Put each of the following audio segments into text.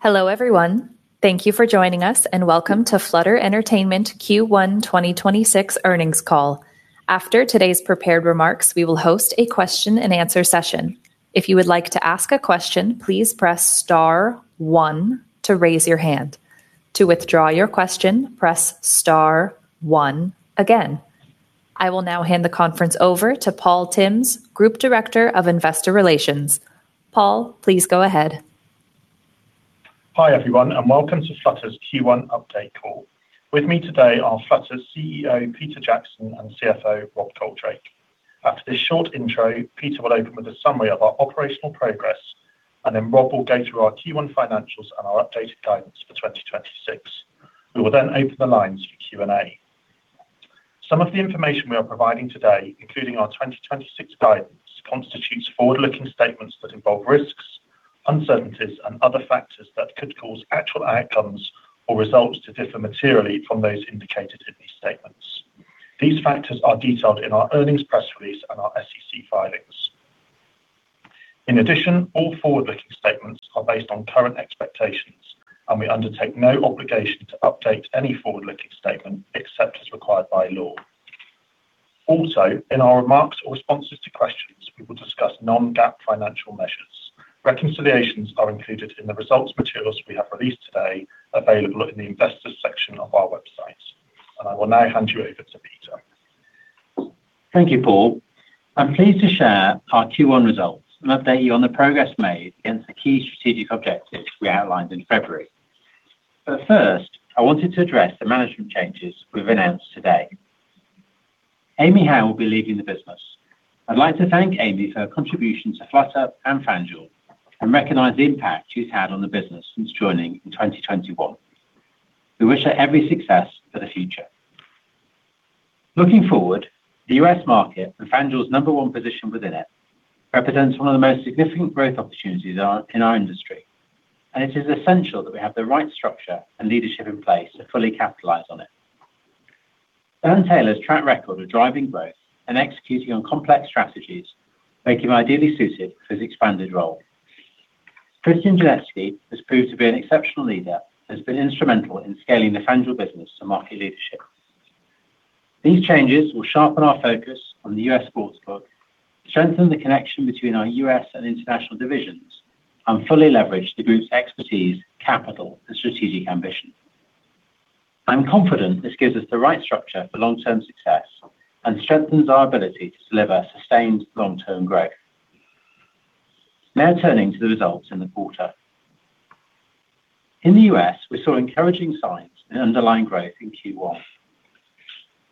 Hello, everyone. Thank you for joining us and welcome to Flutter Entertainment Q1 2026 Earnings Call. After today's prepared remarks, we will host a question and answer session. If you would like to ask a question, please press star one to raise your hand. To withdraw your question, press star one again. I will now hand the conference over to Paul Tymms, Group Director of Investor Relations. Paul, please go ahead. Hi, everyone, welcome to Flutter's Q1 update call. With me today are Flutter's CEO, Peter Jackson, and CFO, Rob Coldrake. After this short intro, Peter will open with a summary of our operational progress, Rob will go through our Q1 financials and our updated guidance for 2026. We will open the lines for Q&A. Some of the information we are providing today, including our 2026 guidance, constitutes forward-looking statements that involve risks, uncertainties, and other factors that could cause actual outcomes or results to differ materially from those indicated in these statements. These factors are detailed in our earnings press release and our SEC filings. In addition, all forward-looking statements are based on current expectations, we undertake no obligation to update any forward-looking statement except as required by law. Also, in our remarks or responses to questions, we will discuss non-GAAP financial measures. Reconciliations are included in the results materials we have released today, available in the Investors section of our website. I will now hand you over to Peter. Thank you, Paul. I'm pleased to share our Q1 results and update you on the progress made against the key strategic objectives we outlined in February. First, I wanted to address the management changes we've announced today. Amy Howe will be leaving the business. I'd like to thank Amy for her contribution to Flutter and FanDuel and recognize the impact she's had on the business since joining in 2021. We wish her every success for the future. Looking forward, the US market and FanDuel's number one position within it represents one of the most significant growth opportunities in our industry, and it is essential that we have the right structure and leadership in place to fully capitalize on it. Dan Taylor's track record of driving growth and executing on complex strategies make him ideally suited for his expanded role. Christian Genetski has proved to be an exceptional leader, has been instrumental in scaling the FanDuel business to market leadership. These changes will sharpen our focus on the US sportsbook, strengthen the connection between our U.S. and international divisions, and fully leverage the group's expertise, capital, and strategic ambition. I'm confident this gives us the right structure for long-term success and strengthens our ability to deliver sustained long-term growth. Now turning to the results in the quarter. In the U.S., we saw encouraging signs in underlying growth in Q1.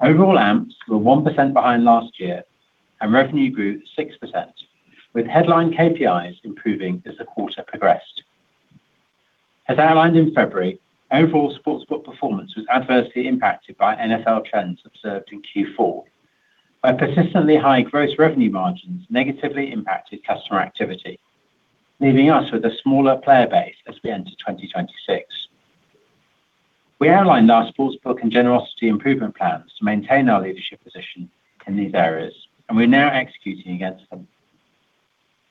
Overall AMPs were 1% behind last year and revenue grew 6%, with headline KPIs improving as the quarter progressed. As outlined in February, overall sportsbook performance was adversely impacted by NFL trends observed in Q4 by persistently high gross revenue margins negatively impacted customer activity, leaving us with a smaller player base as we enter 2026. We outlined our sportsbook and generosity improvement plans to maintain our leadership position in these areas, and we're now executing against them.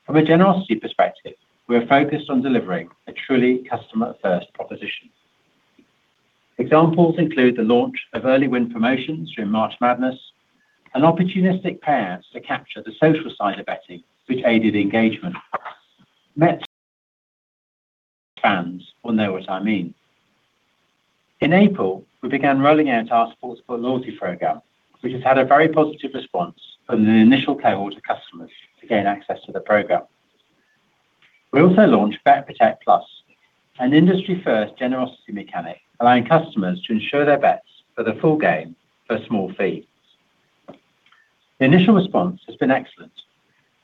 From a generosity perspective, we are focused on delivering a truly customer-first proposition. Examples include the launch of early win promotions during March Madness and opportunistic pairs to capture the social side of betting which aided engagement. Mets fans will know what I mean. In April, we began rolling out our sportsbook loyalty program, which has had a very positive response from the initial cohort of customers to gain access to the program. We also launched BetProtect+, an industry-first generosity mechanic allowing customers to insure their bets for the full game for a small fee. The initial response has been excellent,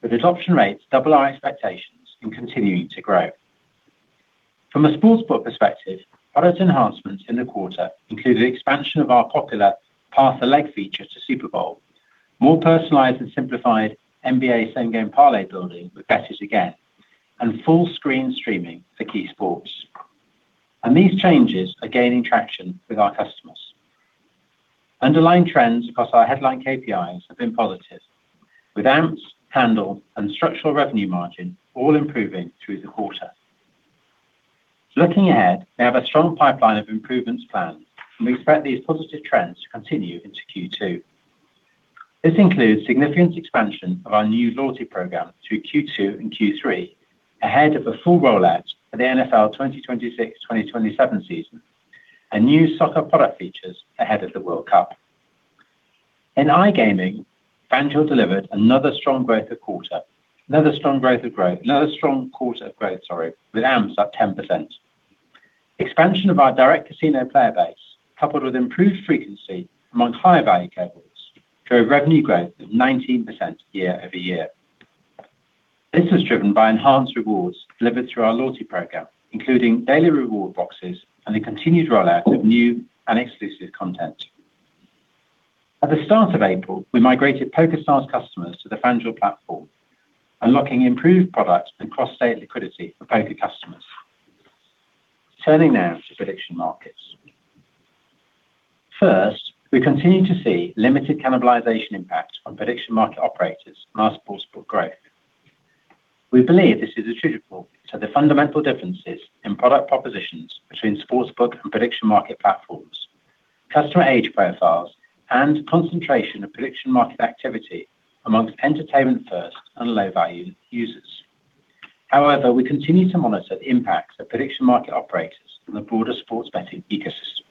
with adoption rates double our expectations and continuing to grow. From a sportsbook perspective, product enhancements in the quarter include the expansion of our popular Pass the Leg feature to Super Bowl, more personalized and simplified NBA same game parlay building with Bettors Again and full-screen streaming for key sports. These changes are gaining traction with our customers. Underlying trends across our headline KPIs have been positive with AMPs, handle, and structural revenue margin all improving through the quarter. Looking ahead, we have a strong pipeline of improvements planned, and we expect these positive trends to continue into Q2. This includes significant expansion of our new loyalty program through Q2 and Q3 ahead of a full rollout for the NFL 2026-2027 season and new soccer product features ahead of the World Cup. In iGaming, FanDuel delivered another strong quarter of growth, sorry, with AMPs up 10%. Expansion of our direct casino player base, coupled with improved frequency among higher value CAC, drove revenue growth of 19% year-over-year. This was driven by enhanced rewards delivered through our loyalty program, including daily reward boxes and the continued rollout of new and exclusive content. At the start of April, we migrated PokerStars customers to the FanDuel platform, unlocking improved products and cross-state liquidity for poker customers. Turning now to prediction markets. First, we continue to see limited cannibalization impacts on prediction market operators and our sportsbook growth. We believe this is attributable to the fundamental differences in product propositions between sportsbook and prediction market platforms, customer age profiles, and concentration of prediction market activity amongst entertainment first and low-value users. However, we continue to monitor the impacts of prediction market operators in the broader sports betting ecosystem.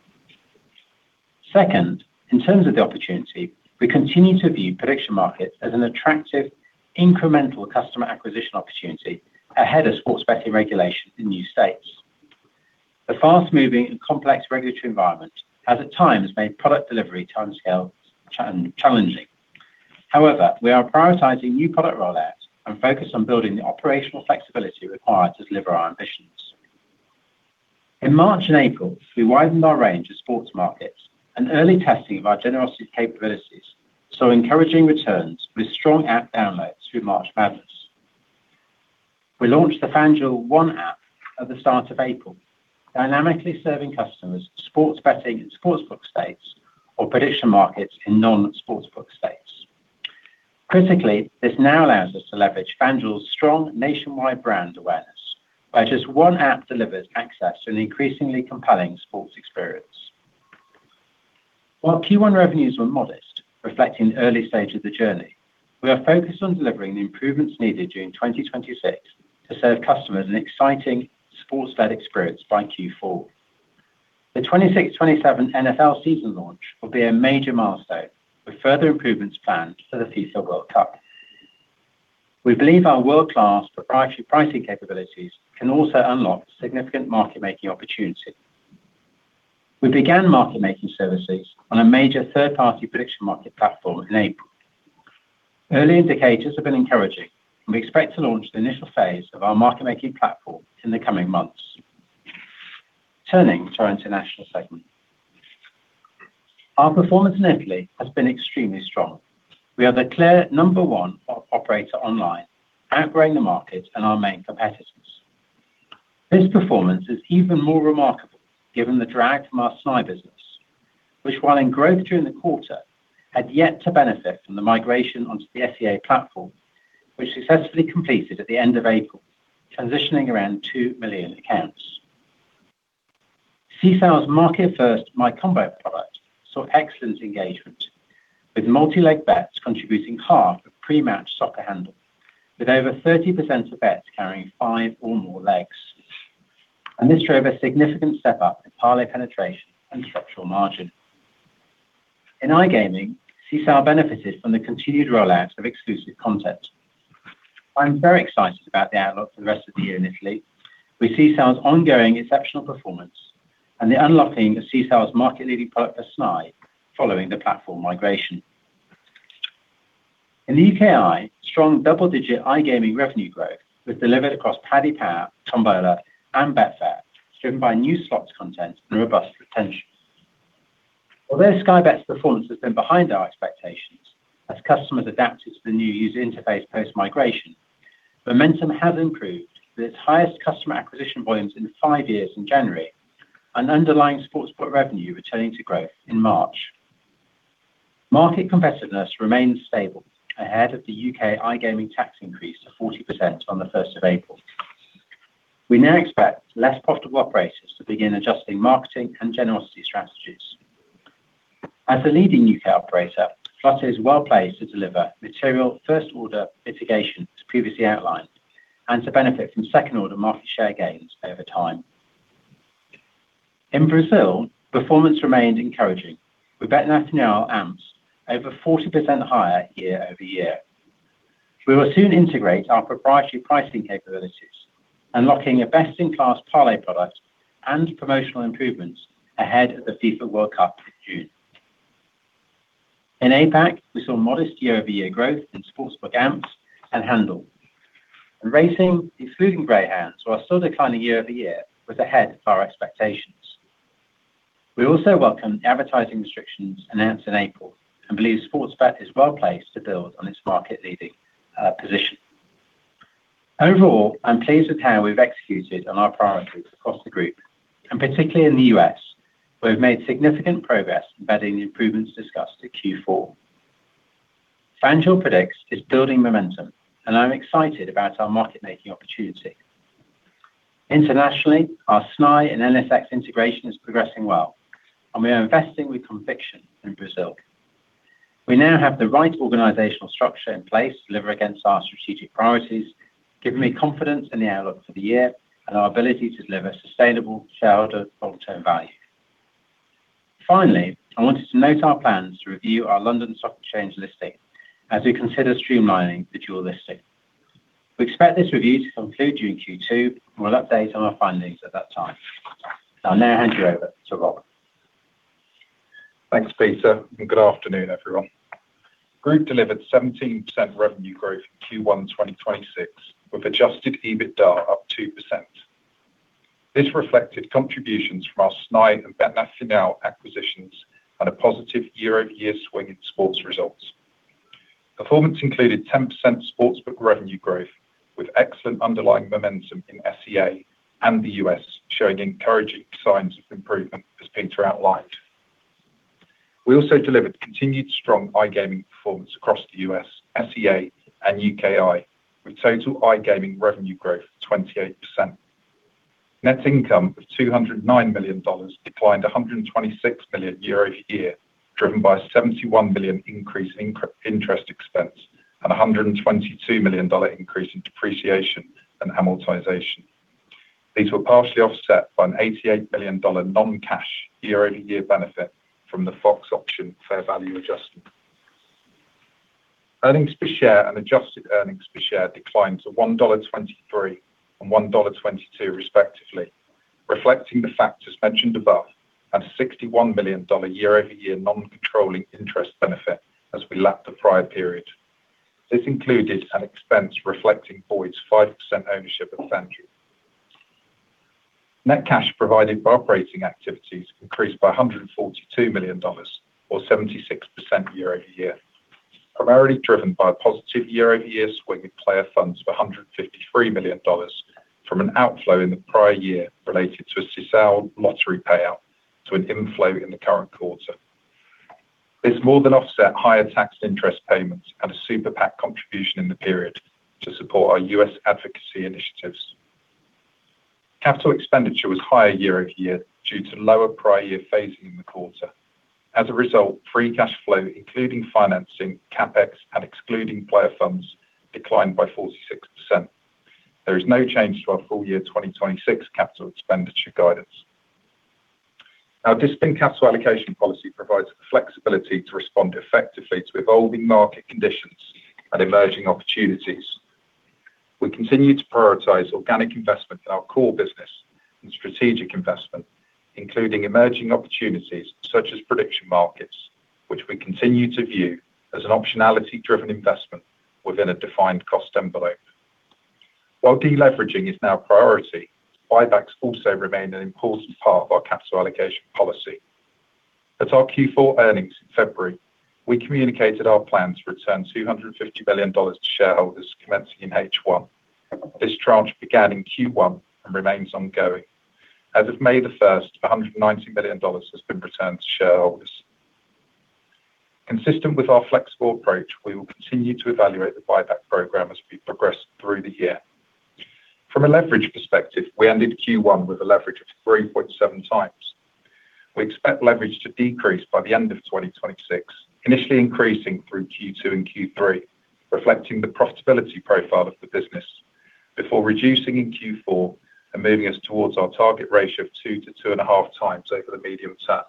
Second, in terms of the opportunity, we continue to view prediction markets as an attractive incremental customer acquisition opportunity ahead of sports betting regulation in new states. The fast-moving and complex regulatory environment has at times made product delivery timescales challenging. We are prioritizing new product rollouts and focused on building the operational flexibility required to deliver our ambitions. In March and April, we widened our range of sports markets and early testing of our generosity capabilities, saw encouraging returns with strong app downloads through March Madness. We launched the FanDuel One app at the start of April, dynamically serving customers sports betting in sportsbook states or prediction markets in non-sportsbook states. This now allows us to leverage FanDuel's strong nationwide brand awareness, where just One App delivers access to an increasingly compelling sports experience. While Q1 revenues were modest, reflecting the early stage of the journey, we are focused on delivering the improvements needed during 2026 to serve customers an exciting sports bet experience by Q4. The 2026-2027 NFL season launch will be a major milestone, with further improvements planned for the FIFA World Cup. We believe our world-class proprietary pricing capabilities can also unlock significant market-making opportunity. We began market-making services on a major third-party prediction market platform in April. Early indicators have been encouraging, we expect to launch the initial phase of our market-making platform in the coming months. Turning to our international segment. Our performance in Italy has been extremely strong. We are the clear number one operator online, outgrowing the market and our main competitors. This performance is even more remarkable given the drag from our SNAI business, which while in growth during the quarter, had yet to benefit from the migration onto the SEA platform, which successfully completed at the end of April, transitioning around 2 million accounts. Sisal's market-first My Combo product saw excellent engagement, with multi-leg bets contributing half of pre-match soccer handle, with over 30% of bets carrying five or more legs. This drove a significant step up in parlay penetration and structural margin. In iGaming, Sisal benefited from the continued rollout of exclusive content. I'm very excited about the outlook for the rest of the year in Italy with Sisal's ongoing exceptional performance and the unlocking of Sisal's market-leading product for SNAI following the platform migration. In the UKI, strong double-digit iGaming revenue growth was delivered across Paddy Power, Tombola, and Betfair, driven by new slots content and robust retention. Although Sky Bet's performance has been behind our expectations as customers adapted to the new user interface post-migration, momentum has improved with its highest customer acquisition volumes in five years in January and underlying sportsbook revenue returning to growth in March. Market competitiveness remains stable ahead of the UK iGaming tax increase to 40% on the first of April. We now expect less profitable operators to begin adjusting marketing and generosity strategies. As a leading UK operator, Flutter is well-placed to deliver material first-order mitigation as previously outlined and to benefit from second-order market share gains over time. In Brazil, performance remained encouraging, with Betnacional AMPs over 40% higher year-over-year. We will soon integrate our proprietary pricing capabilities, unlocking a best-in-class parlay product and promotional improvements ahead of the FIFA World Cup in June. In APAC, we saw modest year-over-year growth in sportsbook AMPs and handle. Racing, excluding Greyhounds, while still declining year-over-year, was ahead of our expectations. We also welcome the advertising restrictions announced in April and believe Sportsbet is well-placed to build on its market-leading position. Overall, I'm pleased with how we've executed on our priorities across the group, and particularly in the U.S., where we've made significant progress embedding the improvements discussed at Q4. FanDuel Predicts is building momentum, and I'm excited about our market-making opportunity. Internationally, our SNAI and NSX integration is progressing well, and we are investing with conviction in Brazil. We now have the right organizational structure in place to deliver against our strategic priorities, giving me confidence in the outlook for the year and our ability to deliver sustainable shareholder long-term value. Finally, I wanted to note our plans to review our London Stock Exchange listing as we consider streamlining the dual listing. We expect this review to conclude during Q2. We'll update on our findings at that time. I'll now hand you over to Rob. Thanks, Peter, and good afternoon, everyone. Group delivered 17% revenue growth in Q1 2026, with adjusted EBITDA up 2%. This reflected contributions from our SNAI and Betnacional acquisitions and a positive year-over-year swing in sports results. Performance included 10% sportsbook revenue growth with excellent underlying momentum in SEA and the U.S. showing encouraging signs of improvement as Peter outlined. We also delivered continued strong iGaming performance across the U.S., SEA, and UKI, with total iGaming revenue growth of 28%. Net income of $209 million declined $126 million year-over-year, driven by $71 million increase in interest expense and a $122 million increase in depreciation and amortization. These were partially offset by an $88 million non-cash year-over-year benefit from the FOX option fair value adjustment. Earnings per share and adjusted earnings per share declined to $1.23 and $1.22 respectively, reflecting the factors mentioned above and a $61 million year-over-year non-controlling interest benefit as we lapped the prior period. This included an expense reflecting Boyd's 5% ownership of FanDuel. Net cash provided by operating activities increased by $142 million or 76% year-over-year, primarily driven by positive year-over-year swinging player funds of $153 million from an outflow in the prior year related to a Sisal lottery payout to an inflow in the current quarter. This more than offset higher tax interest payments and a super PAC contribution in the period to support our US advocacy initiatives. Capital expenditure was higher year-over-year due to lower prior year phasing in the quarter. As a result, free cash flow, including financing CapEx and excluding player funds, declined by 46%. There is no change to our full year 2026 capital expenditure guidance. Our disciplined capital allocation policy provides the flexibility to respond effectively to evolving market conditions and emerging opportunities. We continue to prioritize organic investment in our core business and strategic investment, including emerging opportunities such as prediction markets, which we continue to view as an optionality-driven investment within a defined cost envelope. While deleveraging is now a priority, buybacks also remain an important part of our capital allocation policy. At our Q4 earnings in February, we communicated our plan to return $250 billion to shareholders commencing in H1. This tranche began in Q1 and remains ongoing. As of May 1st, $190 million has been returned to shareholders. Consistent with our flexible approach, we will continue to evaluate the buyback program as we progress through the year. From a leverage perspective, we ended Q1 with a leverage of 3.7x. We expect leverage to decrease by the end of 2026, initially increasing through Q2 and Q3, reflecting the profitability profile of the business before reducing in Q4 and moving us towards our target ratio of 2 to 2.5x over the medium term.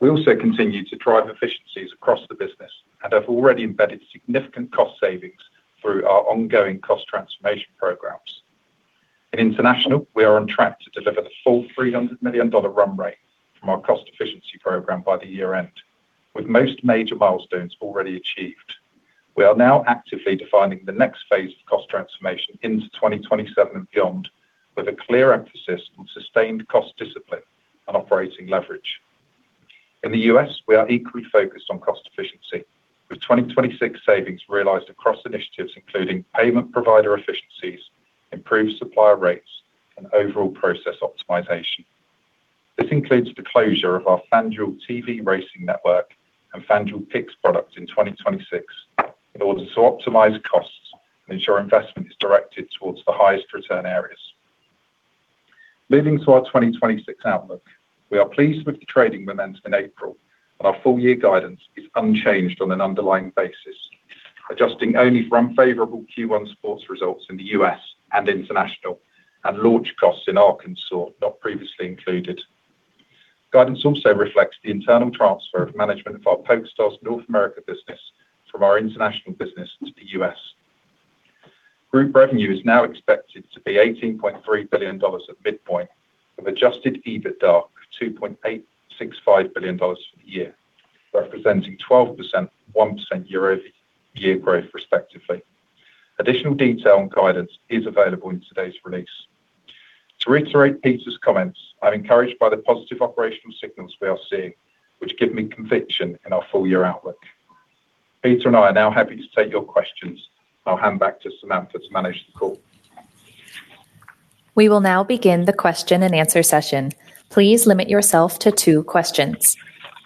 We also continue to drive efficiencies across the business and have already embedded significant cost savings through our ongoing cost transformation programs. In international, we are on track to deliver the full $300 million run rate from our cost efficiency program by the year-end, with most major milestones already achieved. We are now actively defining the next phase of cost transformation into 2027 and beyond with a clear emphasis on sustained cost discipline and operating leverage. In the U.S., we are equally focused on cost efficiency, with 2026 savings realized across initiatives including payment provider efficiencies, improved supplier rates, and overall process optimization. This includes the closure of our FanDuel TV racing network and FanDuel Picks product in 2026 in order to optimize costs and ensure investment is directed towards the highest return areas. Moving to our 2026 outlook, we are pleased with the trading momentum in April. Our full-year guidance is unchanged on an underlying basis, adjusting only for unfavorable Q1 sports results in the U.S. and international and launch costs in Arkansas not previously included. Guidance also reflects the internal transfer of management of our PokerStars North America business from our international business to the U.S. Group revenue is now expected to be $18.3 billion at midpoint, with adjusted EBITDA of $2.865 billion for the year, representing 12% and 1% year-over-year growth respectively. Additional detail on guidance is available in today's release. To reiterate Peter's comments, I'm encouraged by the positive operational signals we are seeing which give me conviction in our full-year outlook. Peter and I are now happy to take your questions. I'll hand back to Samantha to manage the call. We will now begin the question-and-answer session. Please limit yourself to two questions.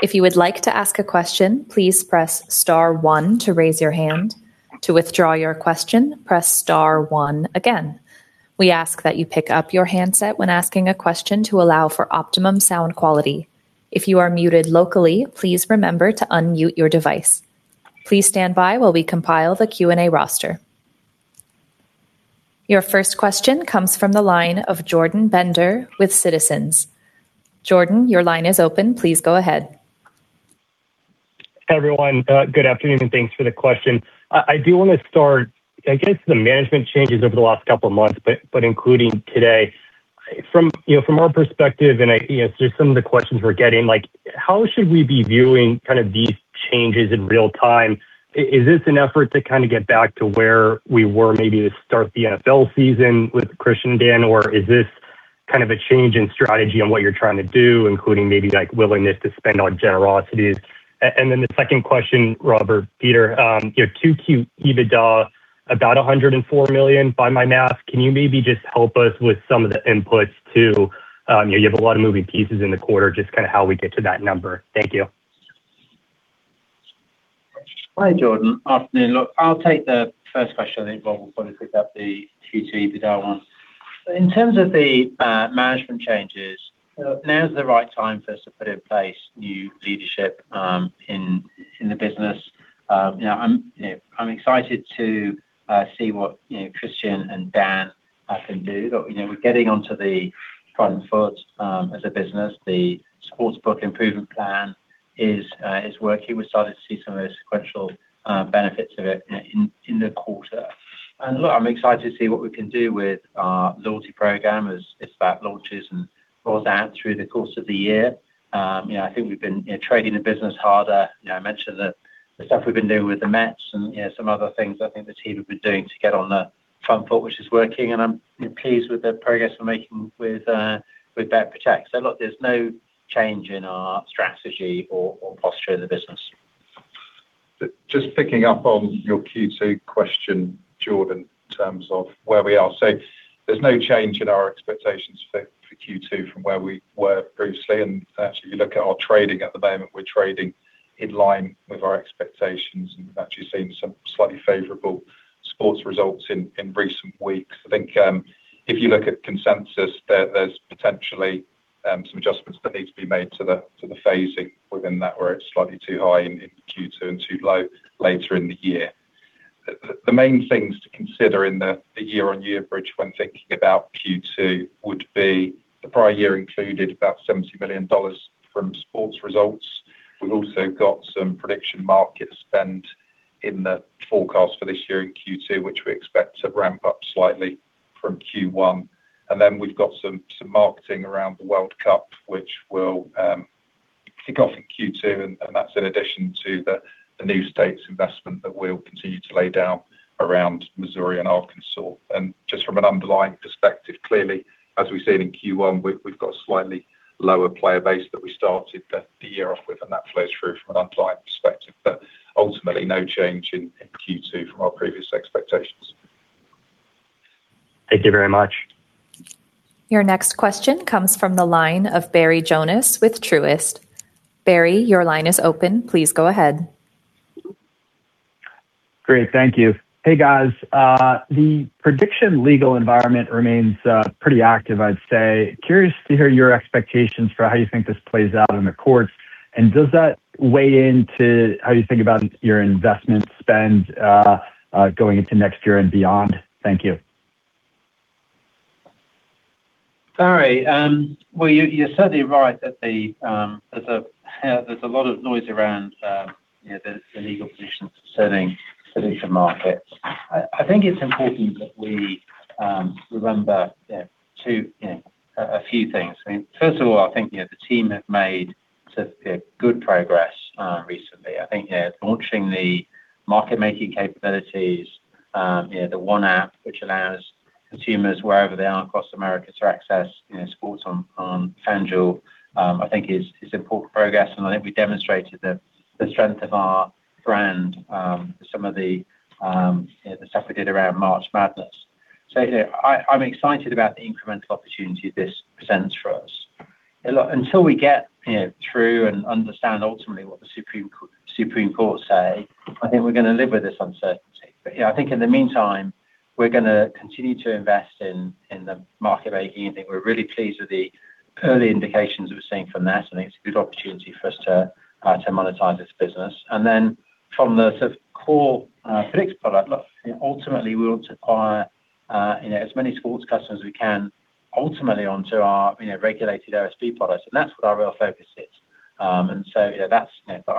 If you would like to ask a question, please press star one to raise your hand. To withdraw your question, press star one again. We ask that you pick up your handset when asking a question to allow for optimum sound quality. If you are muted locally, please remember to unmute your device. Please stand by while we compile the Q&A roster. Your first question comes from the line of Jordan Bender with Citizens. Jordan, your line is open. Please go ahead. Hi, everyone. Good afternoon, and thanks for the question. I do want to start, I guess, the management changes over the last couple of months but including today. From, you know, from our perspective and, you know, just some of the questions we're getting, like, how should we be viewing kind of these changes in real time? Is this an effort to kind of get back to where we were maybe to start the NFL season with Christian and Dan? Or is this Kind of a change in strategy on what you're trying to do, including maybe like willingness to spend on generosities. Then the second question, Robert, Peter, you know, 2Q EBITDA, about $104 million by my math. Can you maybe just help us with some of the inputs too? You know, you have a lot of moving pieces in the quarter, just kinda how we get to that number. Thank you. Hi, Jordan. Afternoon. Look, I'll take the first question. I think Rob will probably pick up the Q2 EBITDA one. In terms of the management changes, now is the right time for us to put in place new leadership in the business. You know, I'm excited to see what Christian and Dan can do. Look, you know, we're getting onto the front foot as a business. The sportsbook improvement plan is working. We're starting to see some of those sequential benefits of it, you know, in the quarter. Look, I'm excited to see what we can do with our loyalty program as its app launches and rolls out through the course of the year. You know, I think we've been trading the business harder. You know, I mentioned the stuff we've been doing with the New York Mets and, you know, some other things I think the team have been doing to get on the front foot, which is working. I'm pleased with the progress we're making with Bet Protect. Look, there's no change in our strategy or posture of the business. Just picking up on your Q2 question, Jordan, in terms of where we are. There's no change in our expectations for Q2 from where we were previously. Actually, if you look at our trading at the moment, we're trading in line with our expectations. We've actually seen some slightly favorable sports results in recent weeks. I think, if you look at consensus, there's potentially some adjustments that need to be made to the phasing within that, where it's slightly too high in Q2 and too low later in the year. The main things to consider in the year-on-year bridge when thinking about Q2 would be the prior year included about $70 million from sports results. We've also got some prediction market spend in the forecast for this year in Q2, which we expect to ramp up slightly from Q1. We've got some marketing around the World Cup, which will kick off in Q2, and that's in addition to the new states investment that we'll continue to lay down around Missouri and Arkansas. Just from an underlying perspective, clearly, as we've seen in Q1, we've got a slightly lower player base that we started the year off with, and that flows through from an underlying perspective. Ultimately, no change in Q2 from our previous expectations. Thank you very much. Your next question comes from the line of Barry Jonas with Truist. Barry, your line is open. Please go ahead. Great. Thank you. Hey, guys. The prediction legal environment remains pretty active, I'd say. Curious to hear your expectations for how you think this plays out in the courts. Does that weigh into how you think about your investment spend going into next year and beyond? Thank you. Barry, well, you're certainly right that there's a lot of noise around, you know, the legal positions concerning prediction markets. I think it's important that we remember, you know, a few things. I mean, first of all, I think, you know, the team have made good progress recently. I think, you know, launching the market-making capabilities, you know, the FanDuel One app which allows consumers wherever they are across America to access, you know, sports on FanDuel, I think is important progress. I think we demonstrated the strength of our brand with some of the, you know, the stuff we did around March Madness. You know, I'm excited about the incremental opportunity this presents for us. Look, until we get, you know, through and understand ultimately what the Supreme Court say, I think we're gonna live with this uncertainty. You know, I think in the meantime, we're gonna continue to invest in the market-making. I think we're really pleased with the early indications we're seeing from that. I think it's a good opportunity for us to monetize this business. From the sort of core predictions product, look, you know, ultimately we want to acquire, you know, as many sports customers as we can ultimately onto our, you know, regulated OSB products, and that's what our real focus is. Our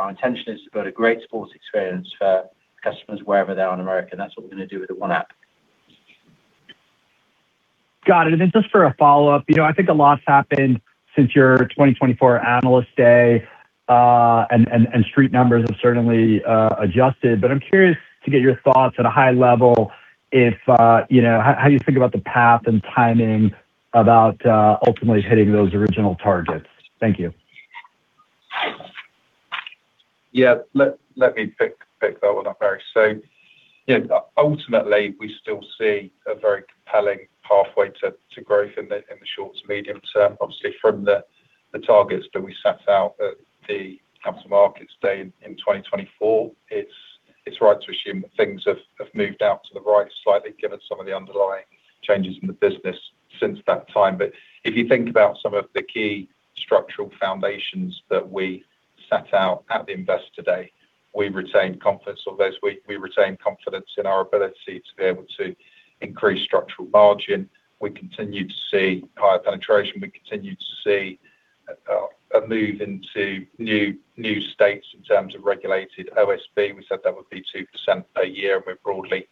intention is to build a great sports experience for customers wherever they are in America, and that's what we're gonna do with the One app. Got it. Just for a follow-up. You know, I think a lot's happened since your 2024 Analyst Day, and street numbers have certainly adjusted. I'm curious to get your thoughts at a high level if, you know, how you think about the path and timing about ultimately hitting those original targets. Thank you. Yeah. Let me pick that one up, Barry. You know, ultimately, we still see a very compelling pathway to growth in the short to medium term. Obviously, from the targets that we set out at the Capital Markets Day in 2024, it's right to assume that things have moved out to the right slightly given some of the underlying changes in the business since that time. If you think about some of the key structural foundations that we set out at the investor day, we retain confidence on those. We retain confidence in our ability to be able to increase structural margin. We continue to see higher penetration. We continue to see a move into new states in terms of regulated OSB. We said that would be 2% a year, we've broadly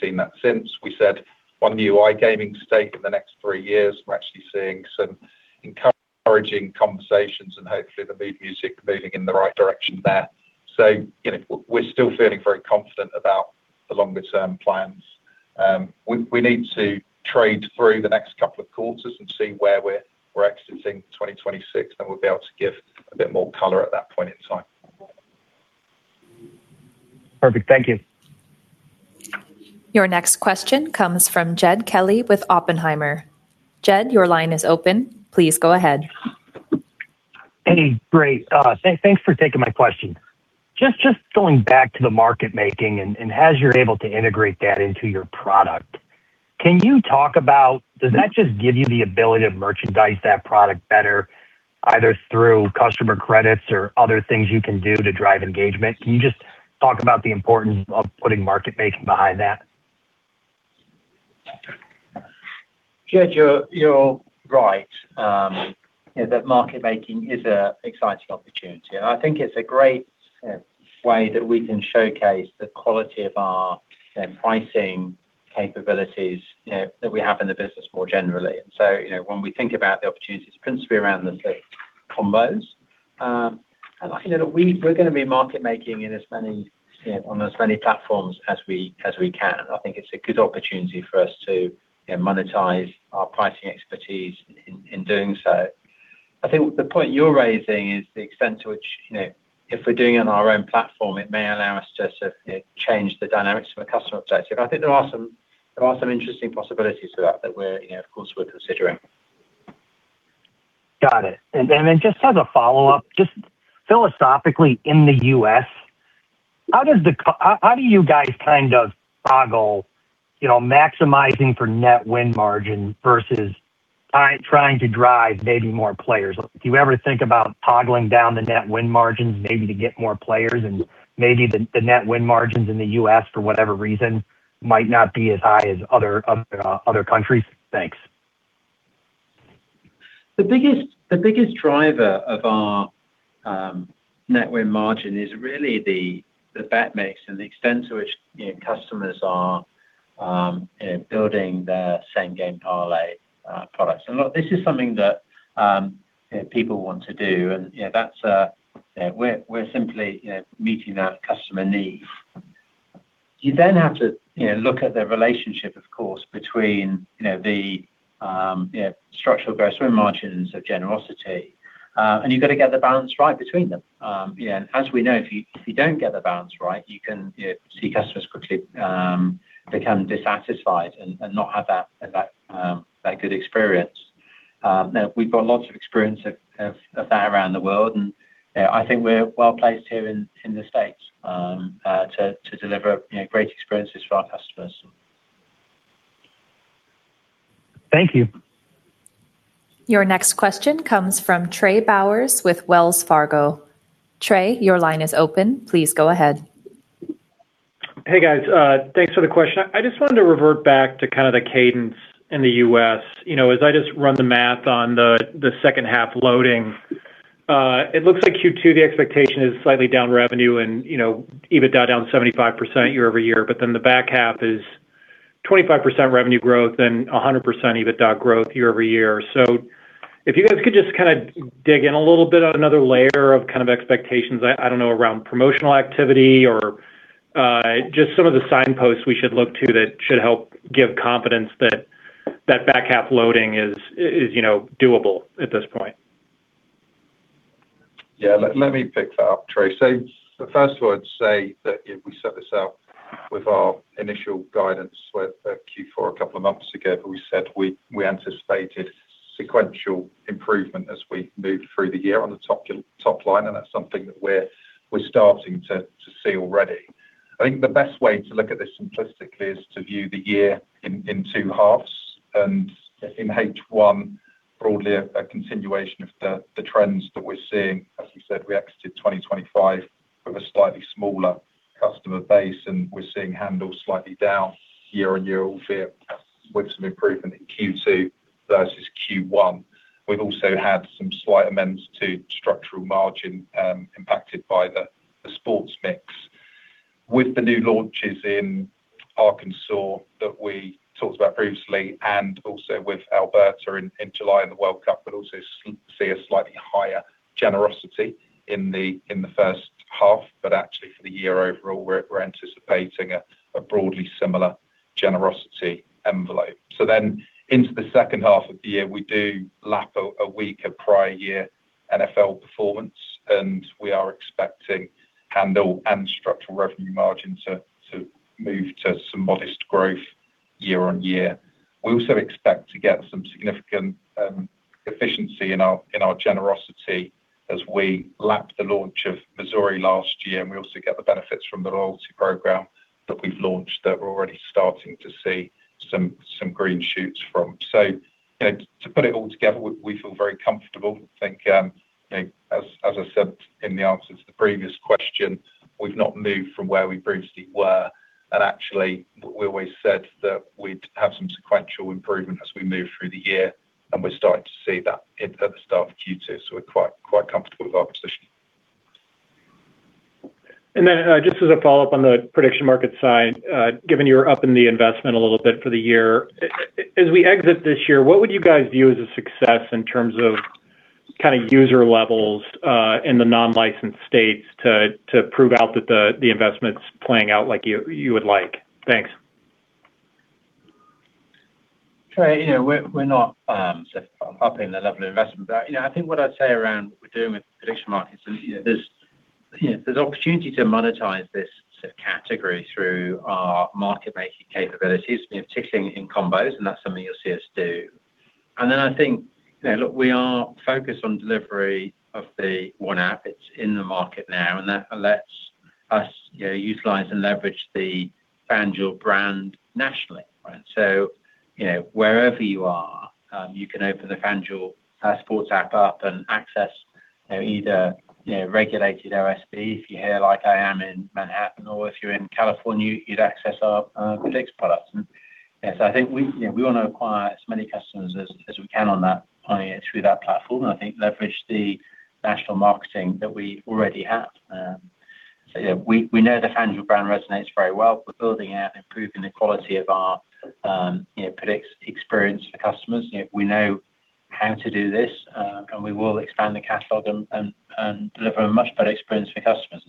seen that since. We said one new iGaming state in the next three years. We're actually seeing some encouraging conversations and hopefully the mood music moving in the right direction there. You know, we're still feeling very confident about the longer term plans. We need to trade through the next couple of quarters and see where we're exiting 2026, we'll be able to give a bit more color at that point in time. Perfect. Thank you. Your next question comes from Jed Kelly with Oppenheimer. Jed, your line is open. Please go ahead. Hey, great. Thanks for taking my question. Just going back to the market making and as you're able to integrate that into your product, can you talk about does that just give you the ability to merchandise that product better, either through customer credits or other things you can do to drive engagement? Can you just talk about the importance of putting market making behind that? Jed, you're right, you know, that market making is a exciting opportunity, and I think it's a great way that we can showcase the quality of our, you know, pricing capabilities, you know, that we have in the business more generally. So, you know, when we think about the opportunities principally around the Combos, and, you know, we're gonna be market making in as many, you know, on as many platforms as we can. I think it's a good opportunity for us to, you know, monetize our pricing expertise in doing so. I think the point you're raising is the extent to which, you know, if we're doing it on our own platform, it may allow us to, you know, change the dynamics from a customer perspective. I think there are some interesting possibilities to that we're, you know, of course, we're considering. Got it. Then just as a follow-up, just philosophically in the U.S., how do you guys kind of toggle, you know, maximizing for net win margin versus trying to drive maybe more players? Do you ever think about toggling down the net win margins maybe to get more players and maybe the net win margins in the U.S. for whatever reason might not be as high as other countries? Thanks. The biggest driver of our net win margin is really the bet mix and the extent to which, you know, customers are, you know, building their Same Game Parlay products. Look, this is something that, you know, people want to do and, you know, that's, you know, we're simply, you know, meeting that customer need. You then have to, you know, look at the relationship of course between, you know, the, you know, structural gross win margins of generosity, and you've gotta get the balance right between them. As we know, if you, if you don't get the balance right, you can, you know, see customers quickly, become dissatisfied and not have that, you know, that good experience. You know, we've got lots of experience of that around the world and, you know, I think we're well-placed here in the States, to deliver, you know, great experiences for our customers. Thank you. Your next question comes from Trey Bowers with Wells Fargo. Trey, your line is open. Please go ahead. Hey, guys. Thanks for the question. I just wanted to revert back to kind of the cadence in the U.S. You know, as I just run the math on the second half loading, it looks like Q2, the expectation is slightly down revenue and, you know, EBITDA down 75% year-over-year, but then the back half is 25% revenue growth and 100% EBITDA growth year-over-year. If you guys could just kinda dig in a little bit on another layer of kind of expectations, I don't know, around promotional activity or just some of the signposts we should look to that should help give confidence that that back half loading is, you know, doable at this point. Yeah. Let me pick that up, Trey. First of all, I'd say that, you know, we set this out with our initial guidance with Q4 a couple of months ago, we said we anticipated sequential improvement as we moved through the year on the top line, that's something that we're starting to see already. I think the best way to look at this simplistically is to view the year in two halves in H1, broadly a continuation of the trends that we're seeing. As we said, we exited 2025 with a slightly smaller customer base, we're seeing handles slightly down year-on-year with some improvement in Q2 versus Q1. We've also had some slight amends to structural margin, impacted by the sports mix. With the new launches in Arkansas that we talked about previously and also with Alberta in July and the World Cup, we'll also see a slightly higher generosity in the first half. For the year overall, we're anticipating a broadly similar generosity envelope. Into the second half of the year, we do lap a week of prior year NFL performance, and we are expecting handle and structural revenue margin to move to some modest growth year-on-year. We also expect to get some significant efficiency in our generosity as we lap the launch of Missouri last year, and we also get the benefits from the loyalty program that we've launched that we're already starting to see some green shoots from. You know, to put it all together, we feel very comfortable. I think, you know, as I said in the answer to the previous question, we've not moved from where we previously were. Actually, we always said that we'd have some sequential improvement as we move through the year, and we're starting to see that at the start of Q2. We're quite comfortable with our position. Just as a follow-up on the prediction market side, given you're up in the investment a little bit for the year, as we exit this year, what would you guys view as a success in terms of kind of user levels in the non-licensed states to prove out that the investment's playing out like you would like? Thanks. Trey, you know, we're not sort of upping the level of investment. I think what I'd say around what we're doing with prediction markets is, you know, there's opportunity to monetize this sort of category through our market making capabilities, you know, particularly in Combos, and that's something you'll see us do. I think, you know, look, we are focused on delivery of the One App. It's in the market now, and that lets us, you know, utilize and leverage the FanDuel brand nationally, right? Wherever you are, you can open the FanDuel sports app up and access, you know, either regulated OSB if you're here like I am in Manhattan, or if you're in California, you'd access our FanDuel Predicts products. Yeah, I think we, you know, we want to acquire as many customers as we can on that through that platform, and I think leverage the national marketing that we already have. Yeah, we know the FanDuel brand resonates very well. We're building out, improving the quality of our, you know, predicts experience for customers. You know, we know how to do this, and we will expand the catalog and deliver a much better experience for customers.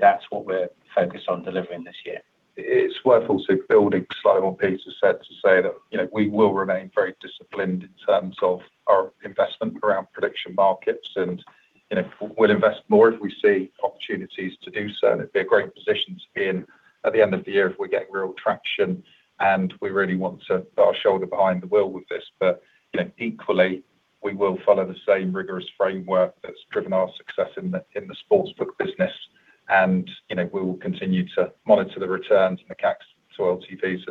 That's what we're focused on delivering this year. It's worth also building slightly on what Peter said to say that, you know, we will remain very disciplined in terms of our investment around prediction markets and, you know, we'll invest more if we see opportunities to do so. it'd be a great position to be in at the end of the year if we're getting real traction, and we really want to put our shoulder behind the wheel with this. you know, equally, we will follow the same rigorous framework that's driven our success in the sports book business and, you know, we will continue to monitor the returns and the caps to LTVs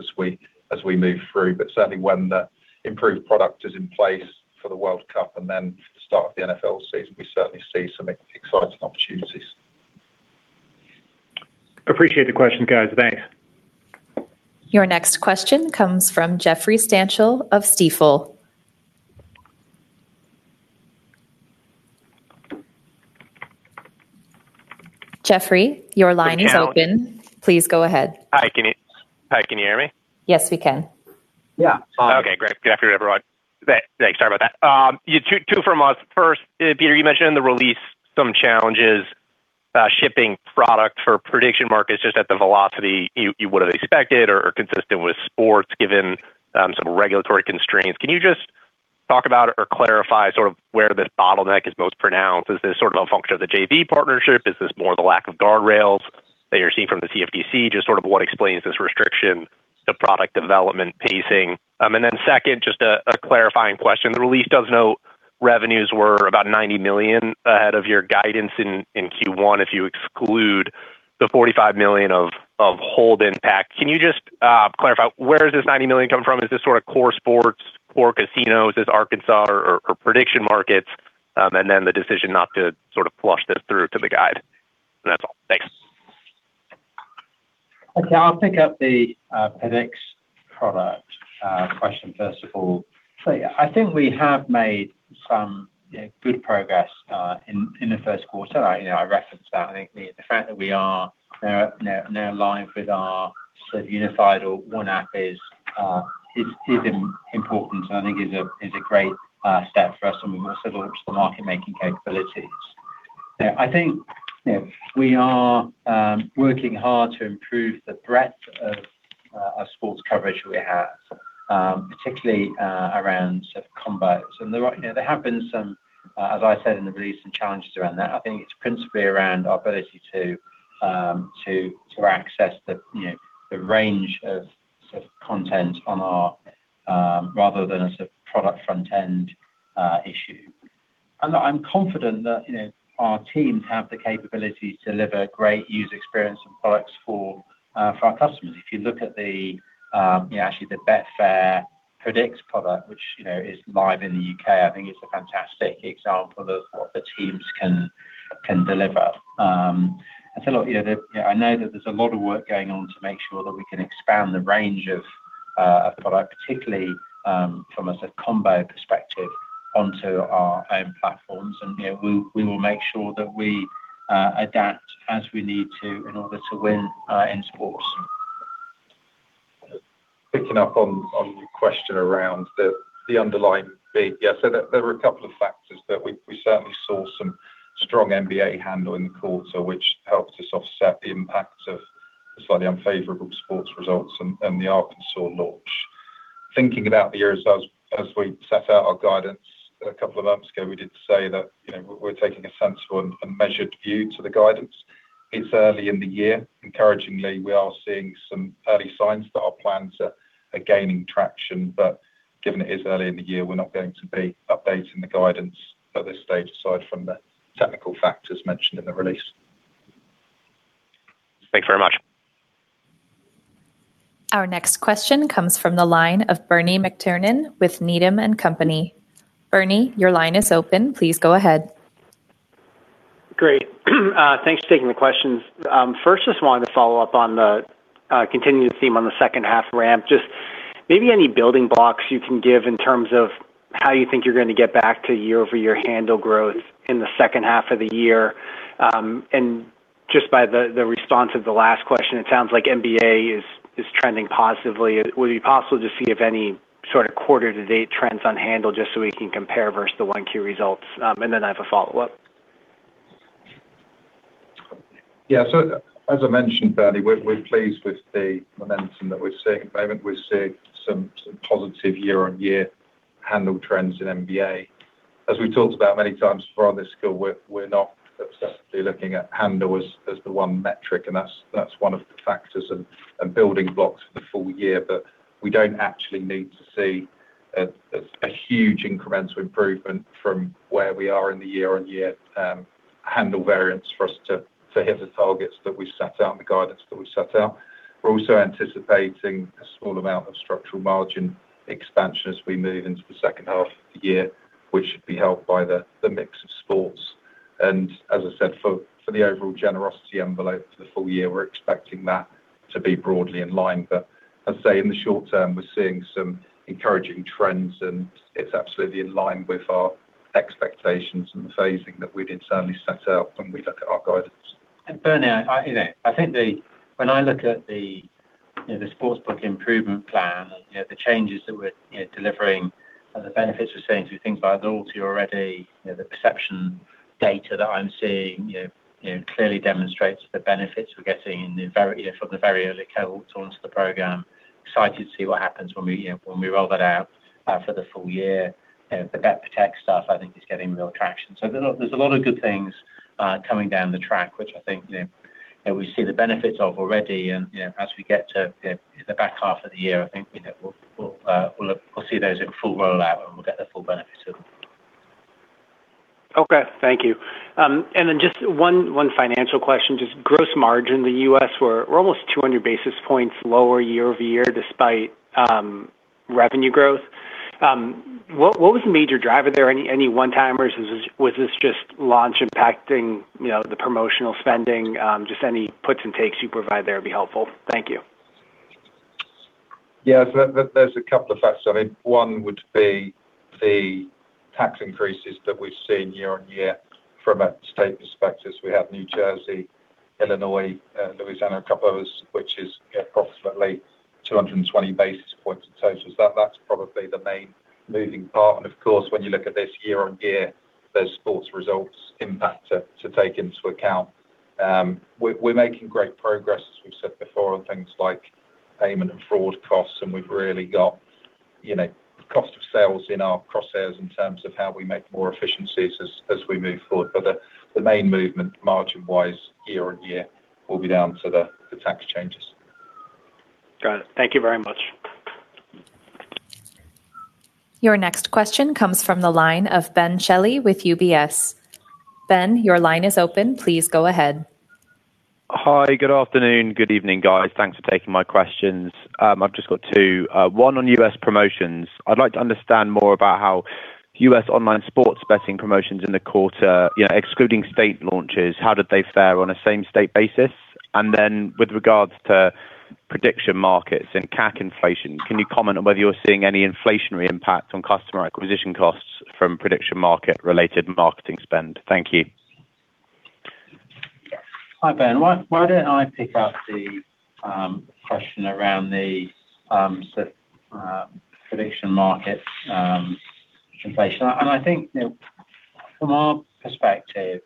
as we move through. certainly when the improved product is in place for the World Cup and then the start of the NFL season, we certainly see some exciting opportunities. Appreciate the questions, guys. Thanks. Your next question comes from Jeffrey Stantial of Stifel. Jeffrey, your line is open. Can you- Please go ahead. Hi, can you hear me? Yes, we can. Yeah. Okay, great. Good afternoon, everyone. Thanks. Sorry about that. Yeah, two from us. First, Peter, you mentioned in the release some challenges shipping product for prediction markets just at the velocity you would have expected or consistent with sports given some regulatory constraints. Can you just talk about or clarify sort of where this bottleneck is most pronounced? Is this sort of a function of the JV partnership? Is this more the lack of guardrails that you're seeing from the CFTC? Just sort of what explains this restriction to product development pacing? Then second, just a clarifying question. The release does note revenues were about $90 million ahead of your guidance in Q1 if you exclude the $45 million of hold impact. Can you just clarify where does this $90 million come from? Is this sort of core sports, core casinos, is Arkansas or prediction markets, and then the decision not to sort of flush this through to the guide? That's all. Thanks. Okay. I'll pick up the Predicts product question first of all. I think we have made some, you know, good progress in the first quarter. You know, I referenced that. I think the fact that we are now live with our sort of unified or One App is important, and I think is a great step for us, and we've also launched the market-making capabilities. You know, I think, you know, we are working hard to improve the breadth of our sports coverage we have, particularly around sort of Combos. You know, there have been some, as I said in the release, some challenges around that. I think it's principally around our ability to access the, you know, the range of sort of content on our, rather than a sort of product front-end issue. Look, I'm confident that, you know, our teams have the capability to deliver great user experience and products for our customers. If you look at the, you know, actually the Betfair Predicts product, which, you know, is live in the U.K., I think it's a fantastic example of what the teams can deliver. I'd say, look, you know, I know that there's a lot of work going on to make sure that we can expand the range of the product, particularly from a sort of Combo perspective onto our own platforms. you know, we will make sure that we adapt as we need to in order to win in sports. Picking up on your question around the underlying theme. There were a couple of factors that we certainly saw some strong NBA handle in the quarter, which helped us offset the impact of the slightly unfavorable sports results and the Arkansas launch. Thinking about the year as we set out our guidance a couple of months ago, we did say that, you know, we're taking a sensible and measured view to the guidance. It's early in the year. Encouragingly, we are seeing some early signs that our plans are gaining traction. Given it is early in the year, we're not going to be updating the guidance at this stage, aside from the technical factors mentioned in the release. Thanks very much. Our next question comes from the line of Bernie McTernan with Needham and Company. Bernie, your line is open. Please go ahead. Great. Thanks for taking the questions. First, just wanted to follow up on the continuing theme on the second half ramp. Just maybe any building blocks you can give in terms of how you think you're going to get back to year-over-year handle growth in the second half of the year. Just by the response of the last question, it sounds like NBA is trending positively. Would it be possible to see if any sort of quarter-to-date trends on handle just so we can compare versus the 1Q results? Then I have a follow-up. Yeah, as I mentioned, Bernie, we're pleased with the momentum that we're seeing at the moment. We're seeing some positive year-on-year handle trends in NBA. As we talked about many times before on this call, we're not obsessively looking at handle as the 1 metric and that's one of the factors and building blocks for the full year. We don't actually need to see a huge incremental improvement from where we are in the year-on-year handle variance for us to hit the targets that we set out and the guidance that we set out. We're also anticipating a small amount of structural margin expansion as we move into the 2nd half of the year, which should be helped by the mix of sports. As I said, for the overall generosity envelope for the full year, we're expecting that to be broadly in line. I'd say in the short term we're seeing some encouraging trends, and it's absolutely in line with our expectations and the phasing that we'd internally set out when we look at our guidance. Bernie, I think when I look at the, you know, the sports book improvement plan and, you know, the changes that we're, you know, delivering and the benefits we're seeing through things like loyalty already, you know, the perception data that I'm seeing, you know, clearly demonstrates the benefits we're getting in the very, you know, from the very early cohorts onto the program. Excited to see what happens when we, you know, when we roll that out for the full year. You know, the Bet Protect stuff I think is getting real traction. There's a lot of good things coming down the track, which I think, you know, we see the benefits of already. You know, as we get to, you know, the back half of the year, I think, you know, we'll see those in full rollout, and we'll get the full benefit of them. Thank you. Then just 1 financial question, just gross margin in the U.S. were almost 200 basis points lower year-over-year despite revenue growth. What was the major driver there? Any one-timers? Was this just launch impacting, you know, the promotional spending? Just any puts and takes you provide there would be helpful. Thank you. Yeah. There's a couple of factors. I mean, one would be the tax increases that we've seen year on year from a state perspective. We have New Jersey, Illinois, Louisiana, a couple of others, which is, you know, approximately 220 basis points in total. That's probably the main moving part. Of course, when you look at this year on year, there's sports results impact to take into account. We're making great progress, as we've said before, on things like payment and fraud costs, and we've really got, you know, cost of sales in our crosshairs in terms of how we make more efficiencies as we move forward. The main movement margin-wise year on year will be down to the tax changes. Got it. Thank you very much. Your next question comes from the line of Ben Shelley with UBS. Ben, your line is open. Please go ahead. Hi. Good afternoon. Good evening, guys. Thanks for taking my questions. I've just got two. One on U.S. promotions. I'd like to understand more about how U.S. online sports betting promotions in the quarter, you know, excluding state launches, how did they fare on a same state basis? With regards to prediction markets and CAC inflation, can you comment on whether you're seeing any inflationary impact on customer acquisition costs from prediction market related marketing spend? Thank you. Hi, Ben. Why don't I pick up the question around the sort of prediction market inflation? I think, you know, from our perspective,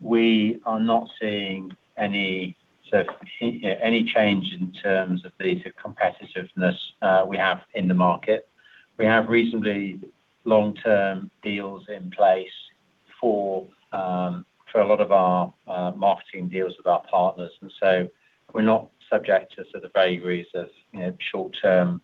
we are not seeing any sort of, you know, any change in terms of the competitiveness we have in the market. We have reasonably long-term deals in place for a lot of our marketing deals with our partners. We're not subject to sort of the vagaries of, you know, short-term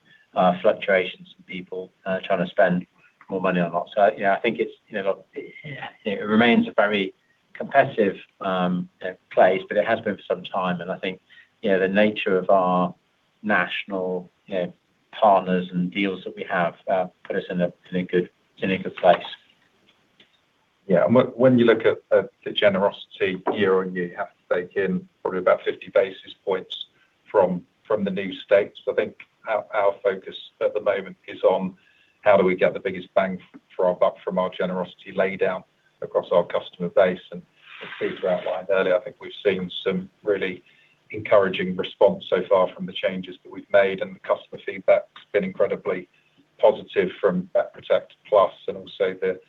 fluctuations from people trying to spend more money or not. You know, I think it's, you know, it remains a very competitive place, but it has been for some time. I think, you know, the nature of our national, you know, partners and deals that we have put us in a good place. Yeah. When, when you look at the generosity year on year, you have to take in probably about 50 basis points from the new states. I think our focus at the moment is on how do we get the biggest bang for our buck from our generosity laydown across our customer base. As Peter outlined earlier, I think we've seen some really encouraging response so far from the changes that we've made, and the customer feedback has been incredibly positive from BetProtect+ and also the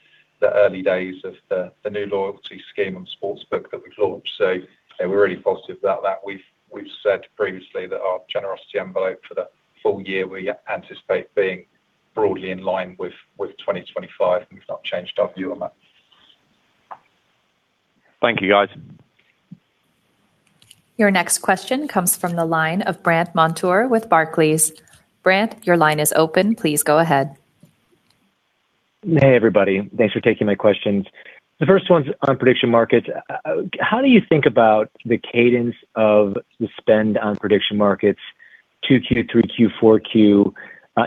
early days of the new loyalty scheme and sportsbook that we've launched. You know, we're really positive about that. We've, we've said previously that our generosity envelope for the full year, we anticipate being broadly in line with 2025. We've not changed our view on that. Thank you, guys. Your next question comes from the line of Brandt Montour with Barclays. Brandt, your line is open. Please go ahead. Hey, everybody. Thanks for taking my questions. The first one's on prediction markets. How do you think about the cadence of the spend on prediction markets 2Q, 3Q, 4Q,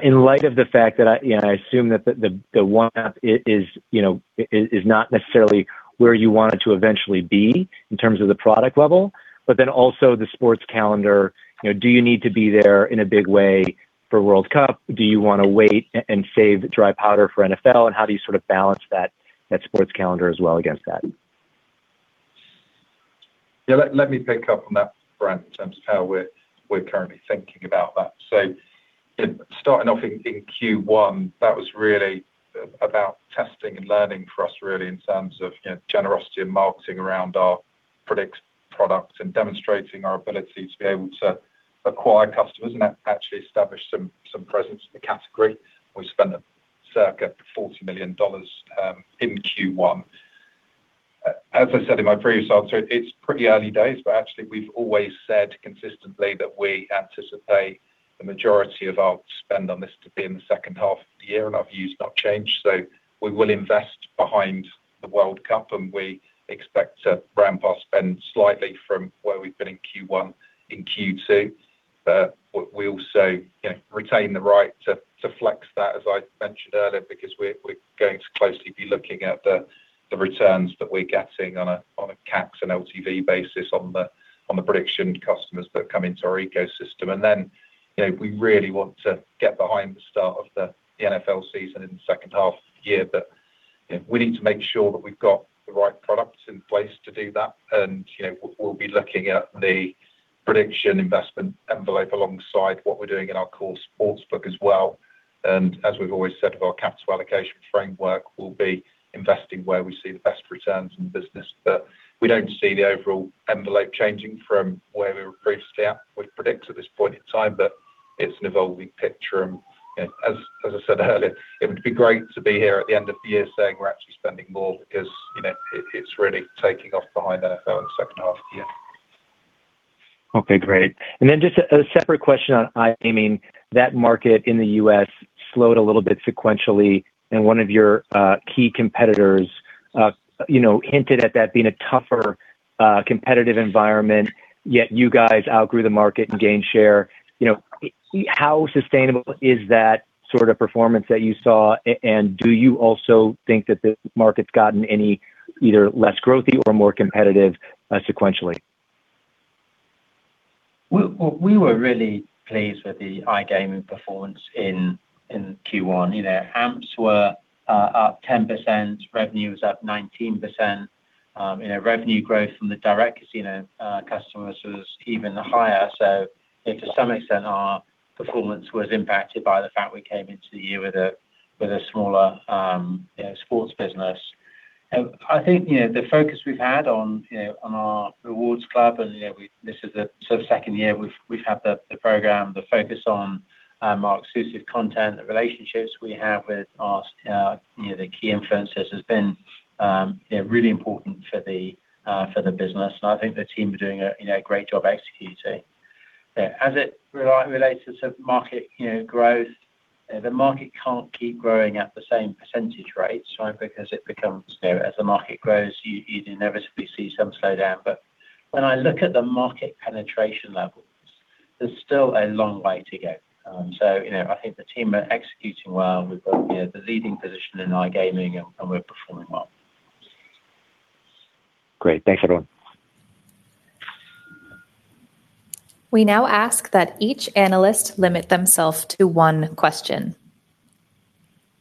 in light of the fact that I, you know, I assume that the One App is, you know, is not necessarily where you want it to eventually be in terms of the product level, but then also the sports calendar, you know, do you need to be there in a big way for World Cup? Do you wanna wait and save dry powder for NFL? How do you sort of balance that sports calendar as well against that? Yeah, let me pick up on that, Brandt, in terms of how we're currently thinking about that. Starting off in Q1, that was really about testing and learning for us really in terms of, you know, generosity and marketing around our Predicts products and demonstrating our ability to be able to acquire customers and actually establish some presence in the category. We spent circa $40 million in Q1. As I said in my previous answer, it's pretty early days, actually we've always said consistently that we anticipate the majority of our spend on this to be in the second half of the year, our view has not changed. We will invest behind the FIFA World Cup, we expect to ramp our spend slightly from where we've been in Q1 in Q2. We also, you know, retain the right to flex that, as I mentioned earlier, because we're going to closely be looking at the returns that we're getting on a CAC and LTV basis on the prediction customers that come into our ecosystem. You know, we really want to get behind the start of the NFL season in the second half of the year. You know, we need to make sure that we've got the right products in place to do that and, you know, we'll be looking at the prediction investment envelope alongside what we're doing in our core sportsbook as well. As we've always said of our capital allocation framework, we'll be investing where we see the best returns in the business. We don't see the overall envelope changing from where we were previously at with predicts at this point in time. It's an evolving picture and, you know, as I said earlier, it would be great to be here at the end of the year saying we're actually spending more because, you know, it's really taking off behind NFL in the second half of the year. Okay, great. Just a separate question on iGaming. That market in the U.S. slowed a little bit sequentially and one of your key competitors, you know, hinted at that being a tougher competitive environment, yet you guys outgrew the market and gained share. You know, how sustainable is that sort of performance that you saw and do you also think that the market's gotten any either less growthy or more competitive sequentially? We were really pleased with the iGaming performance in Q1. You know, AMPs were up 10%, revenue was up 19%. You know, revenue growth from the direct casino customers was even higher. You know, to some extent, our performance was impacted by the fact we came into the year with a smaller, you know, sports business. I think, you know, the focus we've had on, you know, on our Rewards Club and, you know, this is the sort of second year we've had the program, the focus on our exclusive content, the relationships we have with our, you know, the key influencers has been, you know, really important for the business. I think the team are doing a great job executing. As it relates to sort of market, you know, growth, the market can't keep growing at the same percentage rates, right? It becomes, you know, as the market grows, you inevitably see some slowdown. When I look at the market penetration levels, there's still a long way to go. You know, I think the team are executing well. We've got, you know, the leading position in iGaming and we're performing well. Great. Thanks, everyone. We now ask that each analyst limit themself to one question.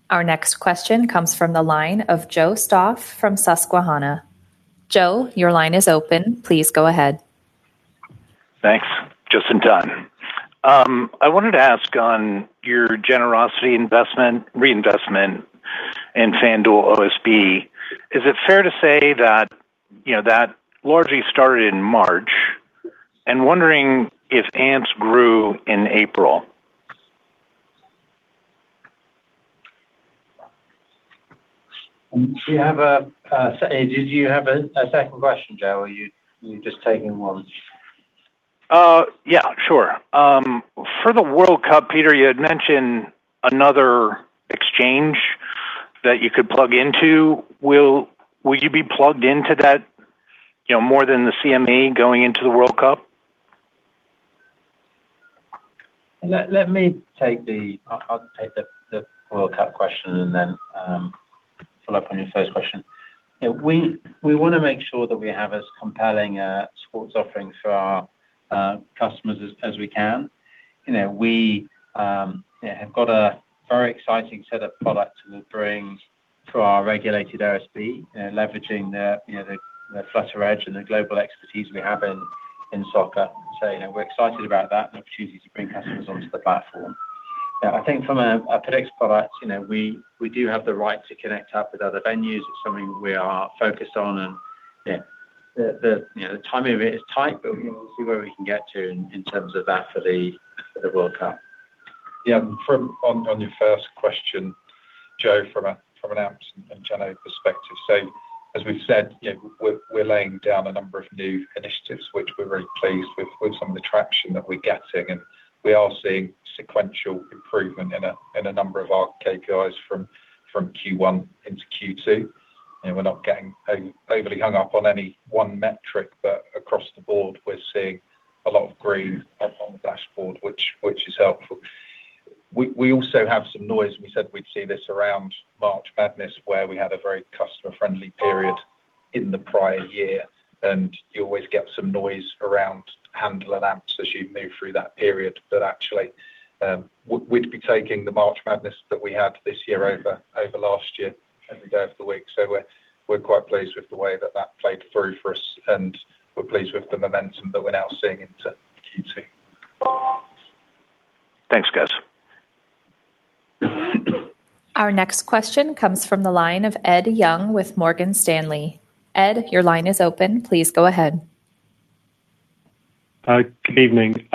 Our next question comes from the line of Joe Stauff from Susquehanna. Joe, your line is open. Please go ahead. Thanks. Joe Stauff. I wanted to ask on your reinvestment in FanDuel OSB, is it fair to say that, you know, that largely started in March? Wondering if AMPs grew in April. Did you have a second question, Joe, or you just taking one? Yeah, sure. For the World Cup, Peter, you had mentioned another exchange that you could plug into. Will, will you be plugged into that, you know, more than the CME going into the World Cup? Let me take the World Cup question and then follow up on your first question. You know, we wanna make sure that we have as compelling a sports offering for our customers as we can. You know, we, you know, have got a very exciting set of products that bring to our regulated OSB, leveraging the, you know, the Flutter edge and the global expertise we have in soccer. You know, we're excited about that and the opportunity to bring customers onto the platform. You know, I think from a predicts product, you know, we do have the right to connect up with other venues. It's something we are focused on and, you know, the timing of it is tight, but we'll see where we can get to in terms of that for the World Cup. Yeah. On your first question, Joe, from an AMPs and Geno perspective. As we've said, you know, we're laying down a number of new initiatives, which we're very pleased with some of the traction that we're getting. We are seeing sequential improvement in a number of our KPIs from Q1 into Q2. You know, we're not getting overly hung up on any one metric. Across the board we're seeing a lot of green up on the dashboard, which is helpful. We also have some noise. We said we'd see this around March Madness, where we had a very customer-friendly period in the prior year. You always get some noise around handle and AMPs as you move through that period. Actually, we'd be taking the March Madness that we had this year over last year every day of the week. We're quite pleased with the way that that played through for us. We're pleased with the momentum that we're now seeing in Q2. Thanks, guys. Our next question comes from the line of Ed Young with Morgan Stanley. Ed, your line is open. Please go ahead. Good evening.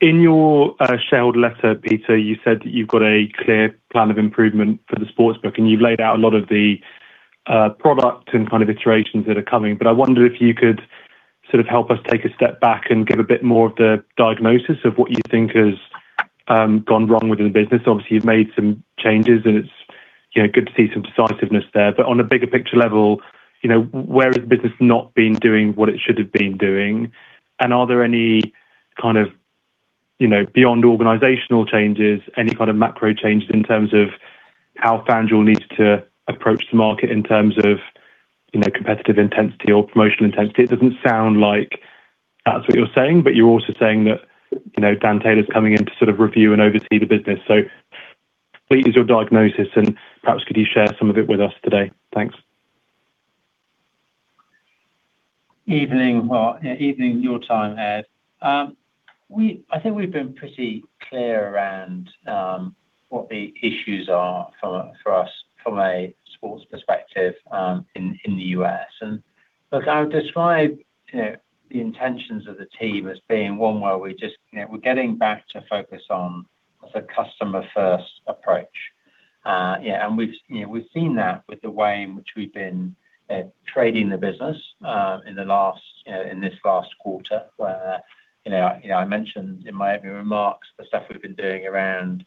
In your shared letter, Peter, you said that you've got a clear plan of improvement for the sportsbook, and you've laid out a lot of the product and kind of iterations that are coming. I wonder if you could sort of help us take a step back and give a bit more of the diagnosis of what you think has gone wrong within the business. Obviously, you've made some changes and it's, you know, good to see some decisiveness there. On a bigger picture level, you know, where has the business not been doing what it should have been doing? Are there any kind of, you know, beyond organizational changes, any kind of macro changes in terms of how FanDuel needs to approach the market in terms of, you know, competitive intensity or promotional intensity? It doesn't sound like that's what you're saying, but you're also saying that, you know, Dan Taylor's coming in to sort of review and oversee the business. Please, your diagnosis, and perhaps could you share some of it with us today? Thanks. Evening. Well, evening your time, Ed. I think we've been pretty clear around what the issues are for us from a sports perspective in the U.S. Look, I would describe, you know, the intentions of the team as being one where we just, you know, we're getting back to focus on the customer first approach. Yeah, we've, you know, we've seen that with the way in which we've been trading the business in the last, you know, in this last quarter where, you know, I mentioned in my opening remarks the stuff we've been doing around,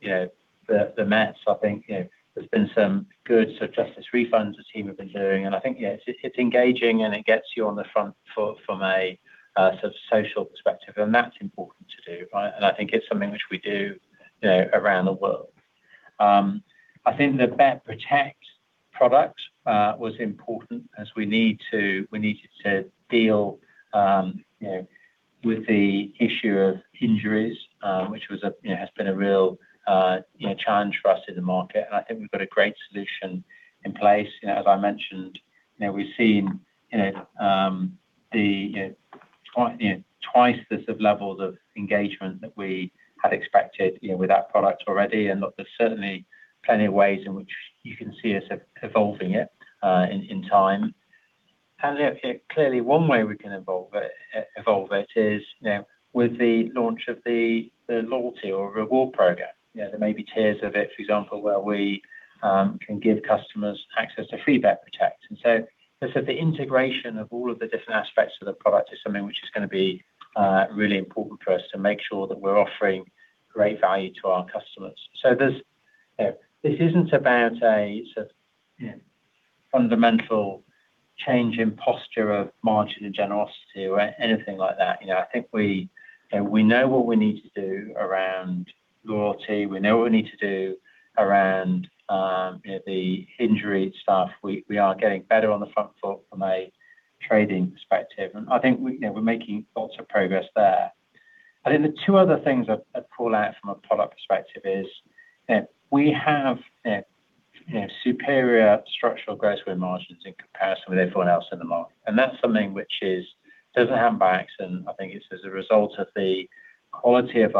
you know, the Mets. I think, you know, there's been some good sort of justice refunds the team have been doing. I think, yeah, it's engaging, and it gets you on the front foot from a sort of social perspective, and that's important to do, right? I think it's something which we do, you know, around the world. I think the Bet Protect product was important as we needed to deal, you know, with the issue of injuries, which was a, you know, has been a real, you know, challenge for us in the market. I think we've got a great solution in place. You know, as I mentioned, you know, we've seen, you know, the, you know, quite, you know, twice the sort of levels of engagement that we had expected, you know, with that product already. Look, there's certainly plenty of ways in which you can see us evolving it in time. Clearly one way we can evolve it, you know, with the launch of the loyalty or reward program. You know, there may be tiers of it, for example, where we can give customers access to free Bet Protect. As said, the integration of all of the different aspects of the product is something which is gonna be really important for us to make sure that we're offering great value to our customers. There's, you know, this isn't about a sort of, you know, fundamental change in posture of margin and generosity or anything like that. You know, I think we, you know, we know what we need to do around loyalty. We know what we need to do around, you know, the injury stuff. We are getting better on the front foot from a trading perspective. I think we, you know, we're making lots of progress there. I think the two other things I'd call out from a product perspective is, you know, we have, you know, superior structural gross win margins in comparison with everyone else in the market. That's something which doesn't happen by accident. I think it's as a result of the quality of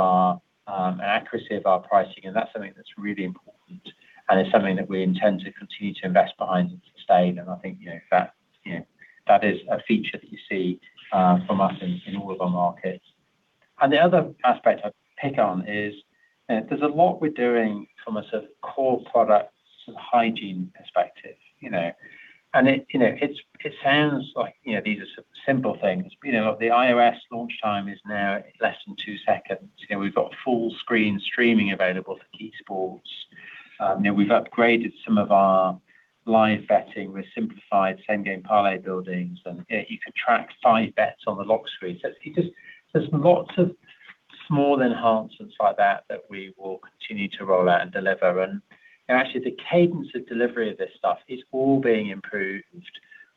our, and accuracy of our pricing, and that's something that's really important, and it's something that we intend to continue to invest behind and sustain. I think, you know, that, you know, that is a feature that you see from us in all of our markets. The other aspect I'd pick on is, there's a lot we're doing from a sort of core product sort of hygiene perspective, you know. You know, it sounds like, you know, these are sort of simple things. You know, the iOS launch time is now less than 2 seconds. You know, we've got full screen streaming available for key sports. You know, we've upgraded some of our live betting. We've simplified Same Game Parlay builder. You know, you can track 5 bets on the lock screen. There's lots of small enhancements like that we will continue to roll out and deliver. Actually the cadence of delivery of this stuff is all being improved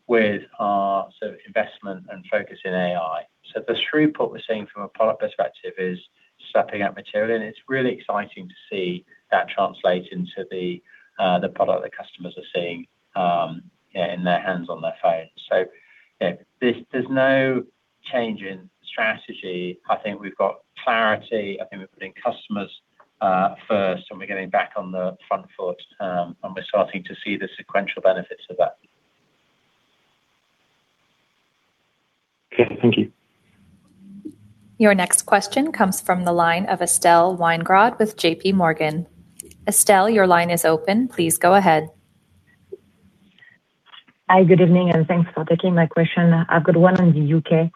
with our sort of investment and focus in AI. The throughput we're seeing from a product perspective is stepping up material, and it's really exciting to see that translate into the product that customers are seeing, you know, in their hands on their phone. You know, there's no change in strategy. I think we've got clarity. I think we're putting customers first, and we're getting back on the front foot, and we're starting to see the sequential benefits of that. Okay. Thank you. Your next question comes from the line of Estelle Weingrod with JP Morgan. Estelle, your line is open. Please go ahead. Hi, good evening. Thanks for taking my question. I've got one on the U.K.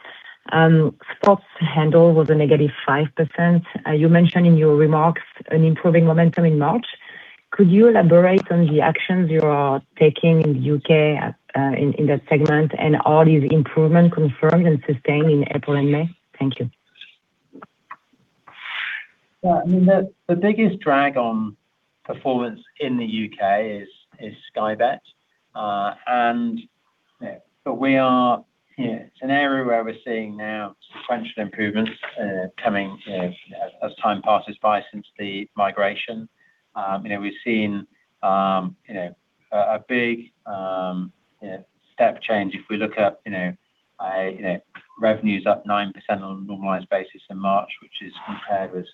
Sports handle was a negative 5%. You mentioned in your remarks an improving momentum in March. Could you elaborate on the actions you are taking in the U.K., in that segment and are these improvement confirmed and sustained in April and May? Thank you. Yeah, I mean, the biggest drag on performance in the U.K. is Sky Bet. It's an area where we're seeing now sequential improvements coming, you know, as time passes by since the migration. We've seen a big step change if we look at revenues up 9% on a normalized basis in March, which is compared with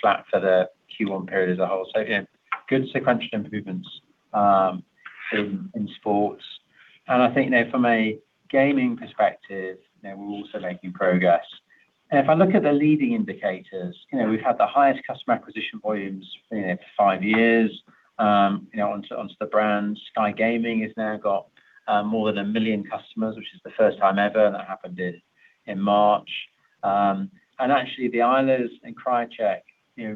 flat for the Q1 period as a whole. Good sequential improvements in sports. I think from a gaming perspective, we're also making progress. If I look at the leading indicators, we've had the highest customer acquisition volumes for five years onto the brand. Sky Betting & Gaming has now got more than 1 million customers, which is the first time ever, and that happened in March. Actually, the Eilers & Krejcik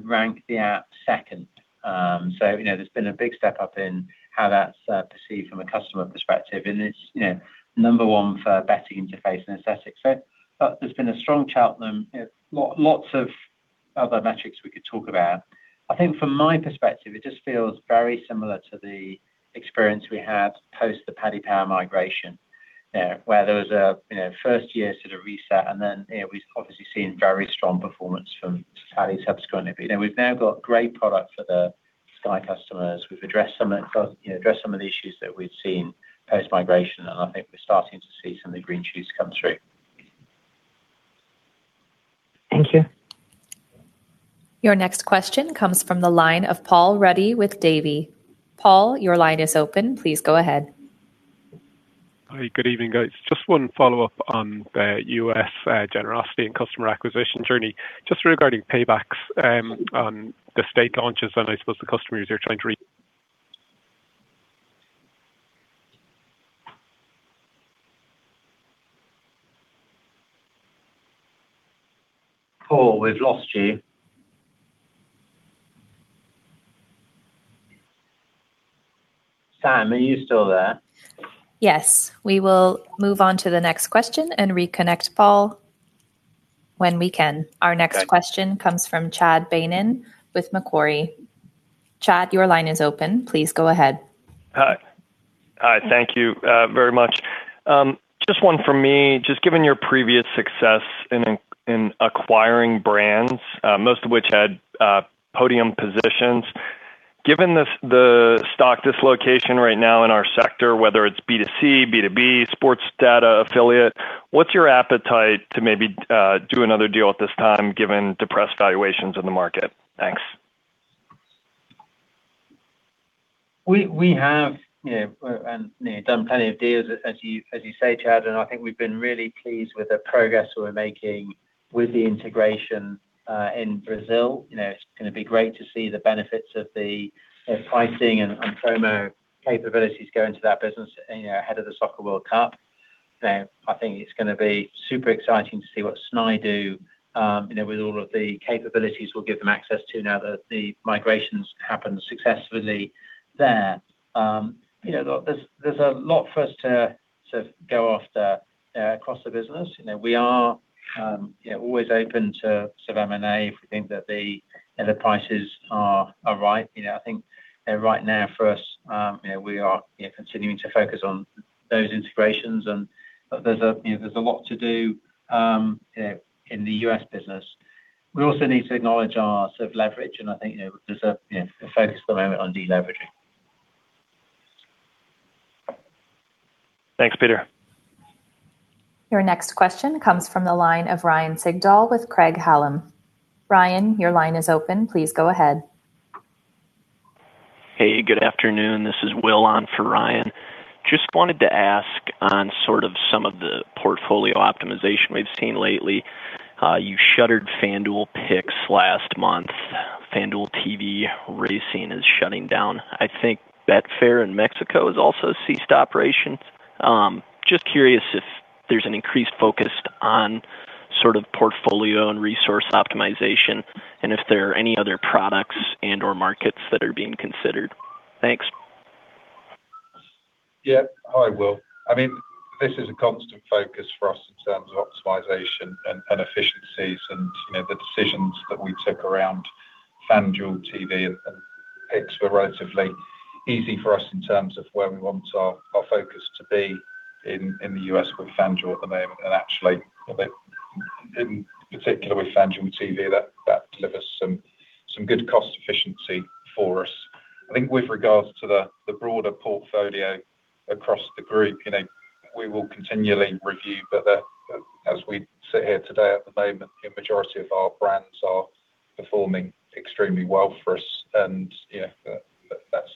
ranked the app second. You know, there's been a big step up in how that's perceived from a customer perspective. It's, you know, number one for betting interface and aesthetics. There's been a strong, you know, lots of other metrics we could talk about. I think from my perspective, it just feels very similar to the experience we had post the Paddy Power migration, where there was a, you know, first year sort of reset, you know, we've obviously seen very strong performance from Paddy subsequently. We've now got great product for the Sky customers. We've addressed some of the issues that we've seen post-migration, I think we're starting to see some of the green shoots come through. Thank you. Your next question comes from the line of Paul Ruddy with Davy. Paul, your line is open. Please go ahead. Hi. Good evening, guys. Just one follow-up on the US generosity and customer acquisition journey. Just regarding paybacks on the state launches. Paul, we've lost you. Sam, are you still there? Yes. We will move on to the next question and reconnect Paul when we can. Okay. Our next question comes from Chad Beynon with Macquarie. Chad, your line is open. Please go ahead. Hi. Thank you very much. Just one from me. Given your previous success in acquiring brands, most of which had podium positions, given this the stock dislocation right now in our sector, whether it's B2C, B2B, sports data affiliate, what's your appetite to maybe do another deal at this time, given depressed valuations in the market? Thanks. We have, you know, and, you know, done plenty of deals, as you say, Chad, I think we've been really pleased with the progress we're making with the integration in Brazil. You know, it's gonna be great to see the benefits of the pricing and promo capabilities go into that business, you know, ahead of the Soccer World Cup. You know, I think it's gonna be super exciting to see what SNAI do, you know, with all of the capabilities we'll give them access to now that the migrations happened successfully there. You know, there's a lot for us to go after across the business. You know, we are, you know, always open to sort of M&A if we think that the prices are right. You know, I think, right now for us, you know, we are, you know, continuing to focus on those integrations and there's a, you know, there's a lot to do, you know, in the US business. We also need to acknowledge our sort of leverage, and I think, you know, there's a, you know, a focus at the moment on deleveraging. Thanks, Peter. Your next question comes from the line of Ryan Sigdahl with Craig-Hallum. Ryan, your line is open. Please go ahead. Hey, good afternoon. This is Will on for Ryan. Just wanted to ask on sort of some of the portfolio optimization we've seen lately. You shuttered FanDuel Picks last month. FanDuel TV racing is shutting down. I think Betfair in Mexico has also ceased operations. Just curious if there's an increased focus on sort of portfolio and resource optimization and if there are any other products and/or markets that are being considered. Thanks. Yeah. Hi, Will. I mean, this is a constant focus for us in terms of optimization and efficiencies and, you know, the decisions that we took around FanDuel TV and Picks were relatively easy for us in terms of where we want our focus to be in the U.S. with FanDuel at the moment. Actually, I think in particular with FanDuel TV, that delivers some good cost efficiency for us. I think with regards to the broader portfolio across the group, you know, we will continually review, as we sit here today, at the moment, the majority of our brands are performing extremely well for us. You know, that's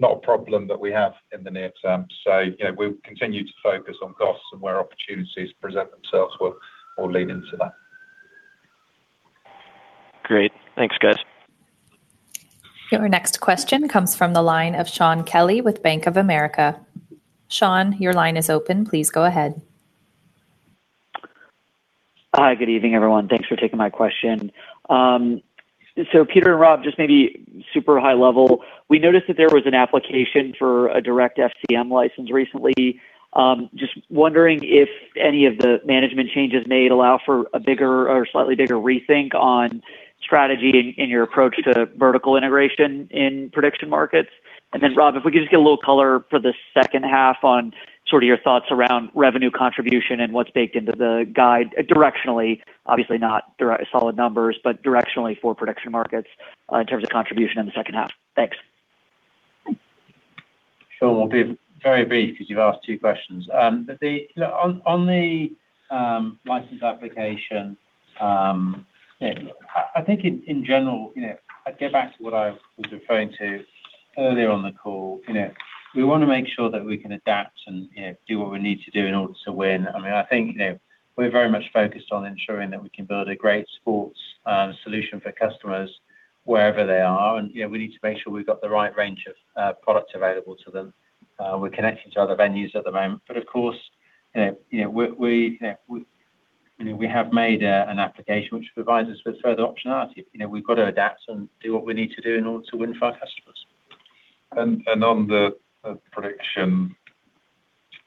not a problem that we have in the near term. You know, we'll continue to focus on costs and where opportunities present themselves, we'll lean into that. Great. Thanks, guys. Your next question comes from the line of Shaun Kelley with Bank of America. Shaun, your line is open. Please go ahead. Hi, good evening, everyone. Thanks for taking my question. Peter and Rob, just maybe super high level, we noticed that there was an application for a direct FCM license recently. Just wondering if any of the management changes made allow for a bigger or slightly bigger rethink on strategy in your approach to vertical integration in prediction markets? Rob, if we could just get a little color for the second half on sort of your thoughts around revenue contribution and what's baked into the guide directionally, obviously not solid numbers, but directionally for prediction markets in terms of contribution in the second half. Thanks. Sure. I'll be very brief because you've asked two questions. You know, on the license application, yeah, I think in general, you know, I'd go back to what I was referring to earlier on the call. You know, we wanna make sure that we can adapt and, you know, do what we need to do in order to win. I mean, I think, you know, we're very much focused on ensuring that we can build a great sports solution for customers wherever they are. You know, we need to make sure we've got the right range of products available to them. We're connected to other venues at the moment, but of course, you know, we have made an application which provides us with further optionality. You know, we've got to adapt and do what we need to do in order to win for our customers. On the prediction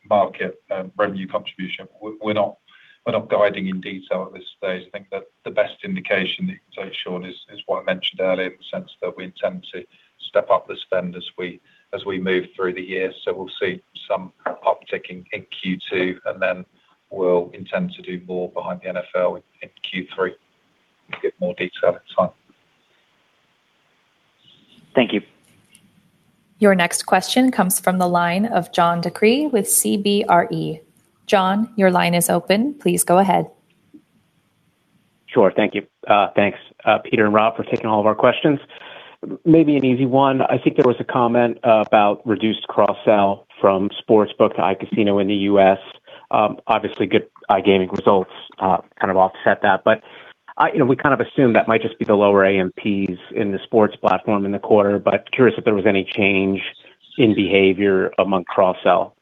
market revenue contribution, we're not guiding in detail at this stage. I think that the best indication that you can take, Shaun, is what I mentioned earlier in the sense that we intend to step up the spend as we move through the year. We'll see some upticking in Q2, and then we'll intend to do more behind the NFL in Q3 and give more detail in time. Thank you. Your next question comes from the line of John DeCree with CBRE. John, your line is open. Please go ahead. Sure. Thank you. Thanks, Peter and Rob for taking all of our questions. Maybe an easy one. I think there was a comment about reduced cross-sell from sportsbook to iCasino in the U.S. Obviously good iGaming results kind of offset that. You know, we kind of assume that might just be the lower AMPs in the sports platform in the quarter, but curious if there was any change in behavior among cross-sell.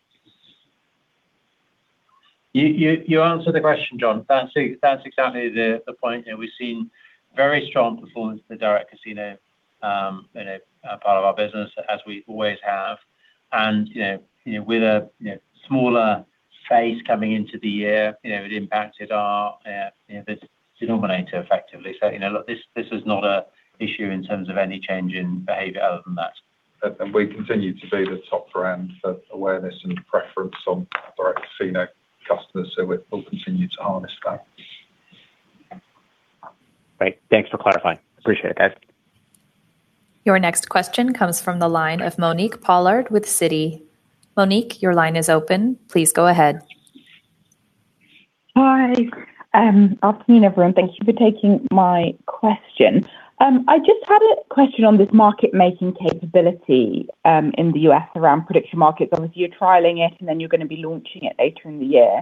You answered the question, John. That's exactly the point. You know, we've seen very strong performance in the direct casino in a part of our business, as we always have. You know, you know, with a, you know, smaller phase coming into the year, you know, it impacted our, you know, this denominator effectively. You know, look, this is not a issue in terms of any change in behavior other than that. We continue to be the top brand for awareness and preference on direct casino customers, so we'll continue to harness that. Great. Thanks for clarifying. Appreciate it, guys. Your next question comes from the line of Monique Pollard with Citi. Monique, your line is open. Please go ahead. Hi. Afternoon, everyone. Thank you for taking my question. I just had a question on this market making capability in the U.S. around prediction markets. Obviously, you're trialing it, and then you're gonna be launching it later in the year.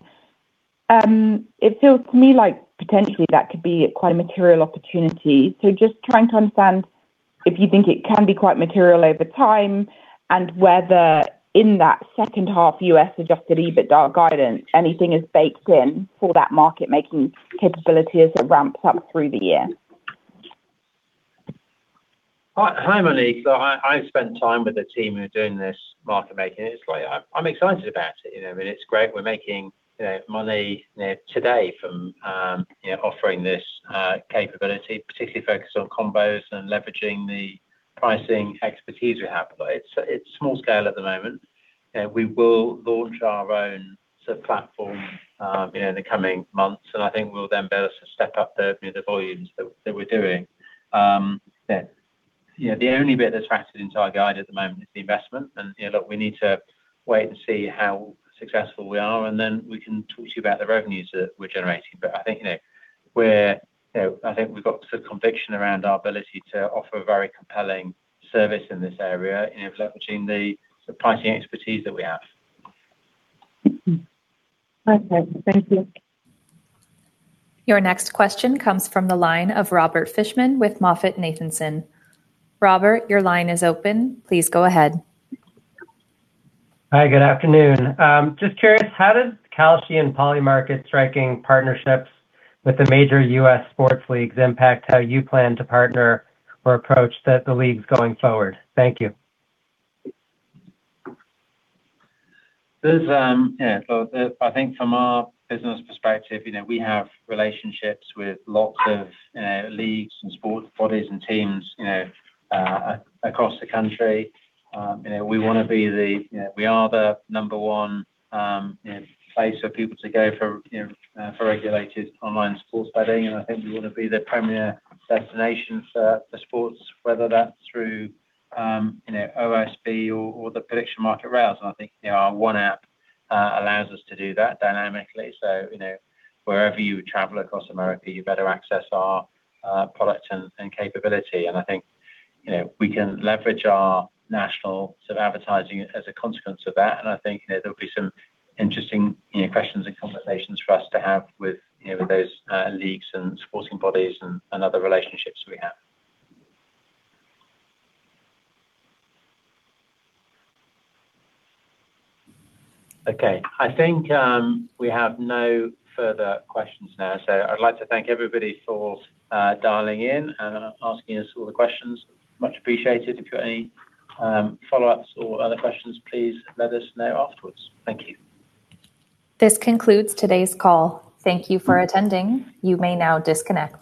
It feels to me like potentially that could be quite a material opportunity. Just trying to understand if you think it can be quite material over time and whether in that second half US adjusted EBITDA guidance anything is baked in for that market making capability as it ramps up through the year. Hi. Hi, Monique. I've spent time with the team who are doing this market making. It's great. I'm excited about it, you know. I mean, it's great we're making, you know, money, you know, today from, you know, offering this capability, particularly focused on Combos and leveraging the pricing expertise we have. It's small scale at the moment. We will launch our own sort of platform, you know, in the coming months, and I think we'll then be able to step up the, you know, the volumes that we're doing. Yeah. You know, the only bit that's factored into our guide at the moment is the investment. You know, look, we need to wait and see how successful we are, and then we can talk to you about the revenues that we're generating. I think, you know, we're, you know, I think we've got the conviction around our ability to offer a very compelling service in this area, you know, leveraging the pricing expertise that we have. Okay. Thank you. Your next question comes from the line of Robert Fishman with MoffettNathanson. Robert, your line is open. Please go ahead. Hi, good afternoon. Just curious, how does Kalshi and Polymarket striking partnerships with the major US sports leagues impact how you plan to partner or approach the leagues going forward? Thank you. I think from our business perspective, you know, we have relationships with lots of, you know, leagues and sports bodies and teams, you know, across the country. You know, we are the number one, you know, place for people to go for, you know, for regulated online sports betting. I think we wanna be the premier destination for sports, whether that's through, you know, OSB or the prediction market route. I think, you know, our One App allows us to do that dynamically. You know, wherever you travel across America, you better access our product and capability. I think, you know, we can leverage our national sort of advertising as a consequence of that. I think, you know, there'll be some interesting, you know, questions and conversations for us to have with, you know, those leagues and sporting bodies and other relationships we have. Okay. I think, we have no further questions now. I'd like to thank everybody for dialing in and asking us all the questions. Much appreciated. If you've got any follow-ups or other questions, please let us know afterwards. Thank you. This concludes today's call. Thank you for attending. You may now disconnect.